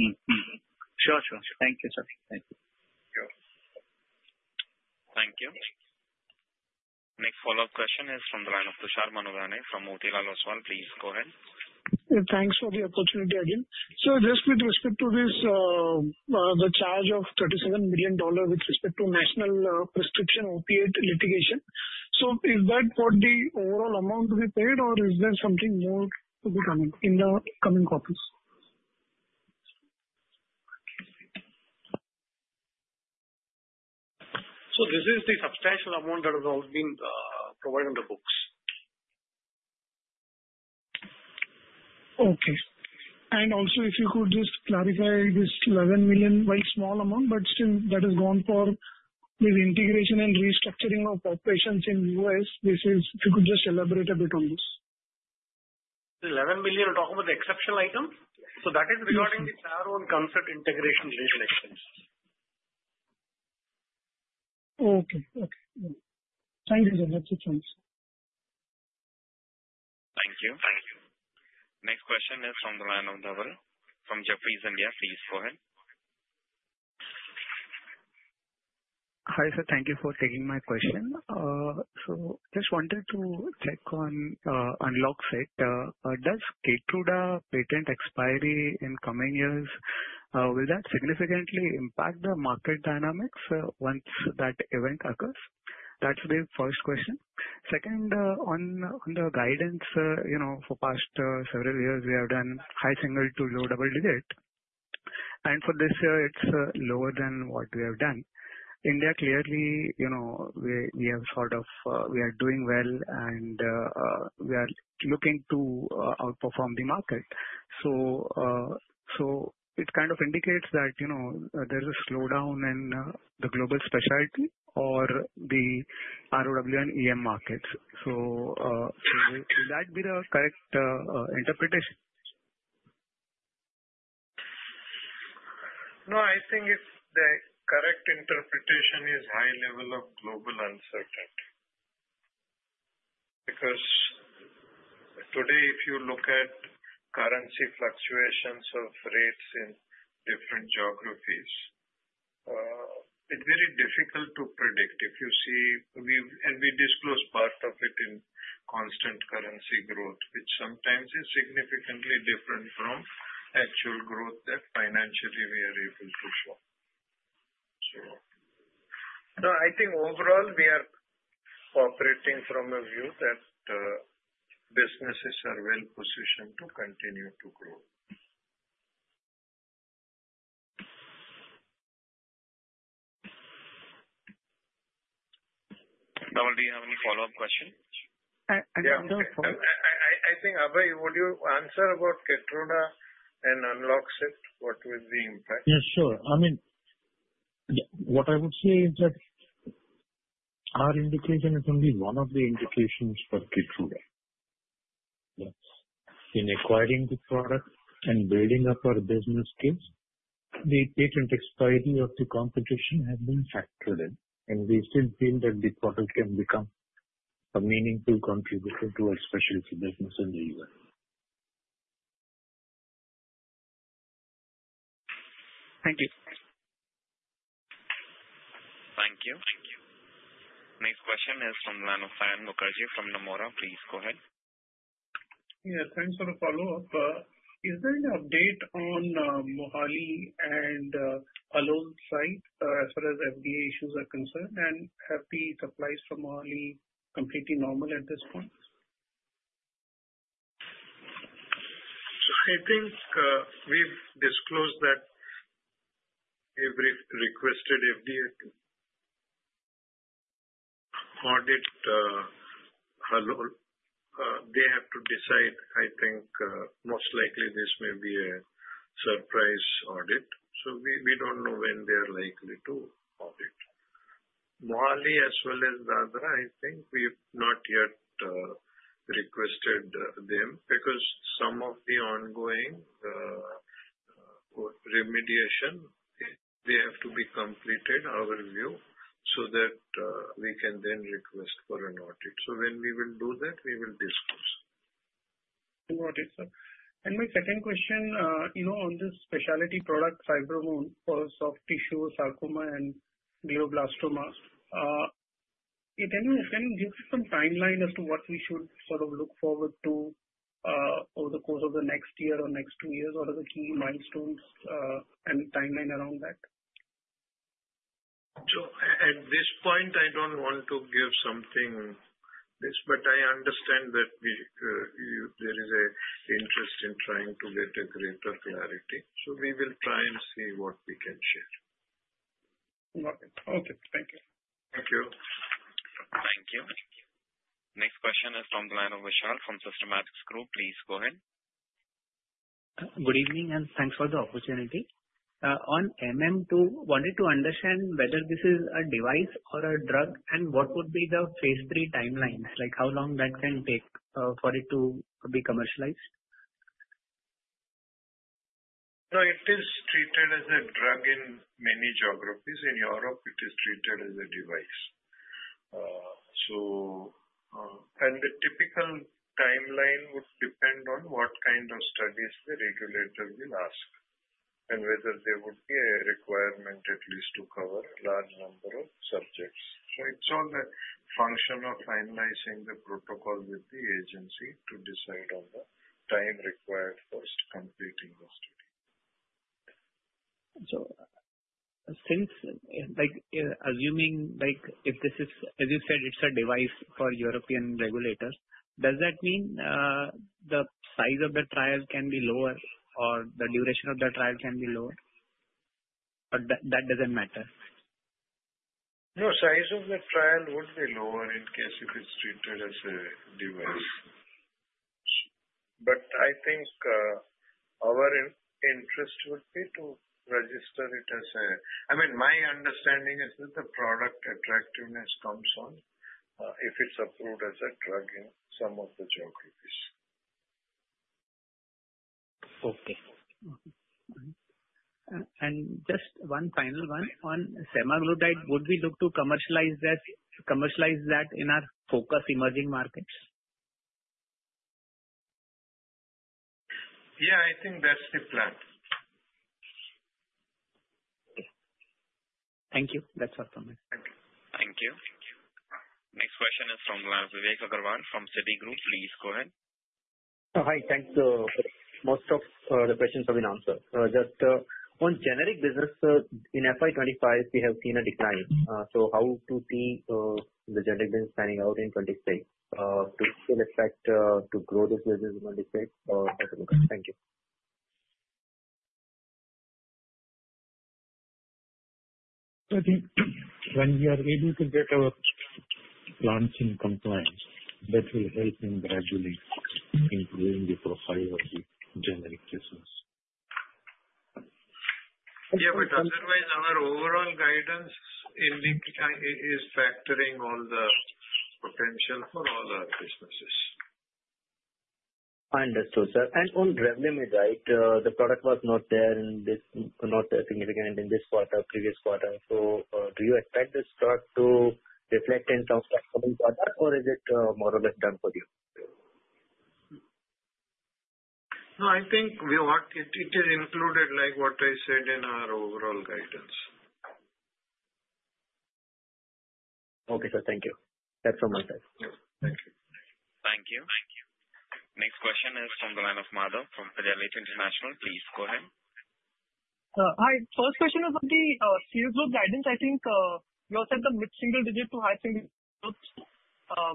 Sure. Sure. Thank you, sir. Thank you. Sure. Thank you. Next follow-up question is from the line of Tushar Manudhane from Motilal Oswal. Please go ahead. Thanks for the opportunity again. Just with respect to this, the charge of $37 million with respect to national prescription opiate litigation. Is that what the overall amount will be paid, or is there something more to be done in the coming quarters? This is the substantial amount that has been provided on the books. Okay. If you could just clarify this $11 million, while small amount, but still that has gone for the integration and restructuring of operations in the US, if you could just elaborate a bit on this. $11 million, you're talking about the exceptional item? That is regarding the Taro and concert integration related expenses. Okay. Okay. Thank you, sir. That's it. Thanks. Thank you. Thank you. Next question is from the line of Dhawal from Jefferies India. Please go ahead. Hi, sir. Thank you for taking my question. Just wanted to check on UNLOXCYT. Does Keytruda patent expiry in coming years, will that significantly impact the market dynamics once that event occurs? That's the first question. Second, on the guidance, for past several years, we have done high single to low double digit. For this year, it's lower than what we have done. India, clearly, we have sort of we are doing well, and we are looking to outperform the market. It kind of indicates that there's a slowdown in the global specialty or the ROW and EM markets. Would that be the correct interpretation? No, I think the correct interpretation is high level of global uncertainty. Because today, if you look at currency fluctuations of rates in different geographies, it's very difficult to predict. We disclose part of it in constant currency growth, which sometimes is significantly different from actual growth that financially we are able to show. I think overall, we are operating from a view that businesses are well-positioned to continue to grow. Dhawal, do you have any follow-up question? I think, Abhay, would you answer about Keytruda and UNLOXCYT? What will be the impact? Yes, sure. I mean, what I would say is that our indication is only one of the indications for Keytruda. In acquiring the product and building up our business skills, the patent expiry of the competition has been factored in. We still feel that the product can become a meaningful contributor to our specialty business in the U.S. Thank you. Thank you. Next question is from the line of Saion Mukherjee from Nomura. Please go ahead. Yeah. Thanks for the follow-up. Is there any update on Mohali and Halol's side as far as FDA issues are concerned? Have the supplies from Mohali completely normal at this point? I think we've disclosed that we've requested FDA to audit Alone. They have to decide. I think most likely this may be a surprise audit. We don't know when they are likely to audit. Mohali, as well as Dhadra, I think we have not yet requested them because some of the ongoing remediation, they have to be completed, our view, so that we can then request for an audit. When we will do that, we will disclose. Invited, sir. My second question on the specialty product FibroMone for soft tissue sarcoma and glioblastoma, can you give us some timeline as to what we should sort of look forward to over the course of the next year or next two years? What are the key milestones and timeline around that? At this point, I don't want to give something this, but I understand that there is an interest in trying to get a greater clarity. We will try and see what we can share. Okay. Thank you. Thank you. Thank you. Next question is from the line of Vishal from Systematix Group. Please go ahead. Good evening, and thanks for the opportunity. On MM-II, wanted to understand whether this is a device or a drug, and what would be the phase three timeline, like how long that can take for it to be commercialized? No, it is treated as a drug in many geographies. In Europe, it is treated as a device. The typical timeline would depend on what kind of studies the regulator will ask and whether there would be a requirement at least to cover a large number of subjects. It is all a function of finalizing the protocol with the agency to decide on the time required for completing the study. Assuming if this is, as you said, it's a device for European regulators, does that mean the size of the trial can be lower or the duration of the trial can be lower? Or that doesn't matter? No, size of the trial would be lower in case if it's treated as a device. I think our interest would be to register it as a—I mean, my understanding is that the product attractiveness comes on if it's approved as a drug in some of the geographies. Okay. And just one final one. On Semaglutide, would we look to commercialize that in our focus emerging markets? Yeah, I think that's the plan. Thank you. That's all from me. Thank you. Thank you. Next question is from Vivek Agarwal from Citigroup. Please go ahead. Hi. Thanks. Most of the questions have been answered. Just on generic business, in FY 2025, we have seen a decline. How to see the generic business panning out in 2026 to still affect to grow this business in 2026? Thank you. I think when we are able to get our launch in compliance, that will help in gradually improving the profile of the generic business. Yeah, but otherwise, our overall guidance is factoring all the potential for all our businesses. Understood, sir. On revenue side, the product was not there in this—not significant in this quarter, previous quarter. Do you expect this product to reflect in some of the upcoming quarter, or is it more or less done for you? No, I think it is included like what I said in our overall guidance. Okay, sir. Thank you. That's from my side. Thank you. Thank you. Next question is from the line of Madhav from Fidelity International. Please go ahead. Hi. First question is on the CS group guidance. I think you all said the mid-single digit to high single digits.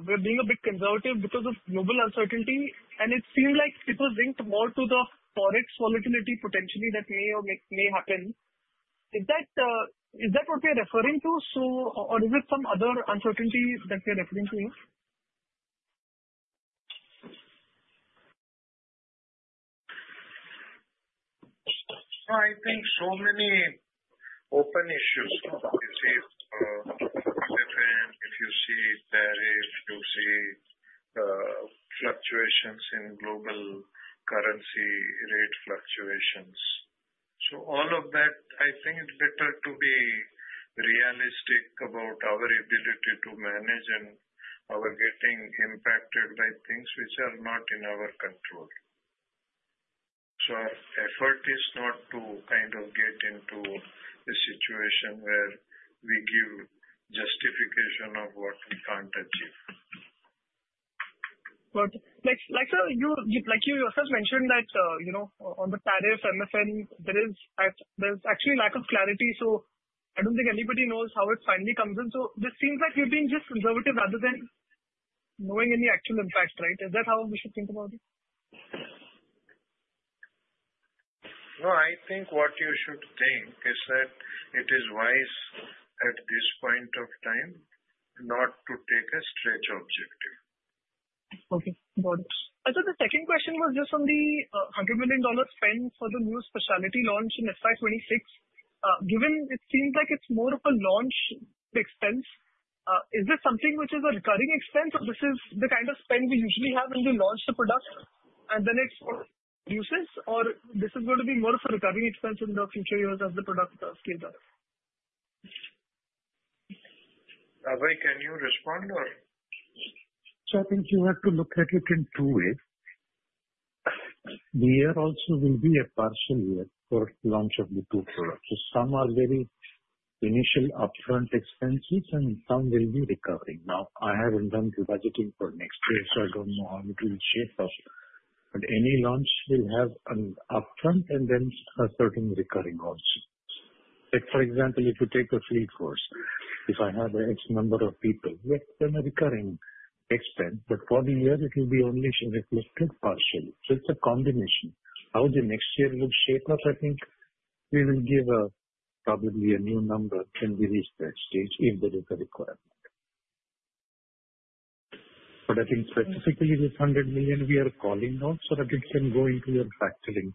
We're being a bit conservative because of global uncertainty, and it seemed like it was linked more to the forex volatility potentially that may happen. Is that what we are referring to, or is it some other uncertainty that we are referring to? No, I think so many open issues. If you see FDFN, if you see tariffs, you see fluctuations in global currency rate fluctuations. All of that, I think it's better to be realistic about our ability to manage and our getting impacted by things which are not in our control. Our effort is not to kind of get into a situation where we give justification of what we can't achieve. Like you yourself mentioned that on the tariff, MFN, there is actually lack of clarity. I don't think anybody knows how it finally comes in. This seems like we've been just conservative rather than knowing any actual impact, right? Is that how we should think about it? No, I think what you should think is that it is wise at this point of time not to take a stretch objective. Okay. Got it. I thought the second question was just on the $100 million spend for the new specialty launch in FY 2026. Given it seems like it's more of a launch expense, is this something which is a recurring expense, or this is the kind of spend we usually have when we launch the product and then it reduces, or this is going to be more of a recurring expense in the future years as the product scales up? Abhay, can you respond, or? I think you have to look at it in two ways. The year also will be a partial year for launch of the two products. Some are very initial upfront expenses, and some will be recurring. Now, I have not done the budgeting for next year, so I do not know how it will shape up. Any launch will have an upfront and then a certain recurring also. For example, if you take a field course, if I have X number of people, that is a recurring expense. For the year, it will be only reflected partially. It is a combination. How the next year will shape up, I think we will give probably a new number when we reach that stage if there is a requirement. I think specifically this $100 million, we are calling out so that it can go into your factoring,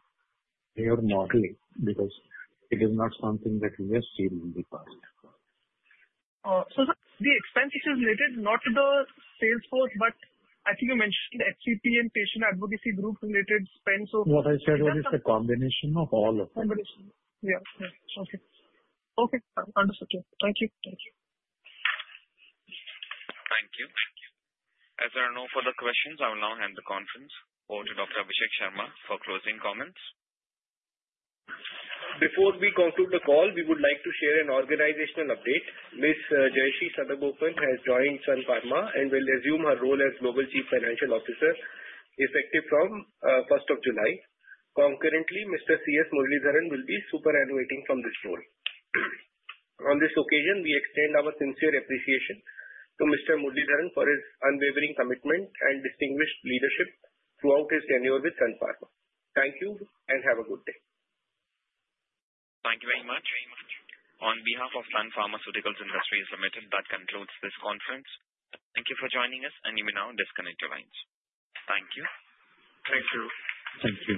your modeling, because it is not something that we have seen in the past. The expense is related not to the sales force, but I think you mentioned FCP and patient advocacy group related spend, so. What I said was it's a combination of all of them. Combination. Yeah. Okay. Okay. Understood. Thank you. Thank you. Thank you. As there are no further questions, I will now hand the conference over to Dr. Abhishek Sharma for closing comments. Before we conclude the call, we would like to share an organizational update. Ms. Jayashree Satagopan has joined Sun Pharma and will assume her role as Global Chief Financial Officer effective from 1st of July. Concurrently, Mr. C. S. Muralidharan will be superannuating from this role. On this occasion, we extend our sincere appreciation to Mr. Muralidharan for his unwavering commitment and distinguished leadership throughout his tenure with Sun Pharma. Thank you and have a good day. Thank you very much. On behalf of Sun Pharmaceutical Industries Limited, that concludes this conference. Thank you for joining us, and you may now disconnect your lines. Thank you. Thank you. Thank you.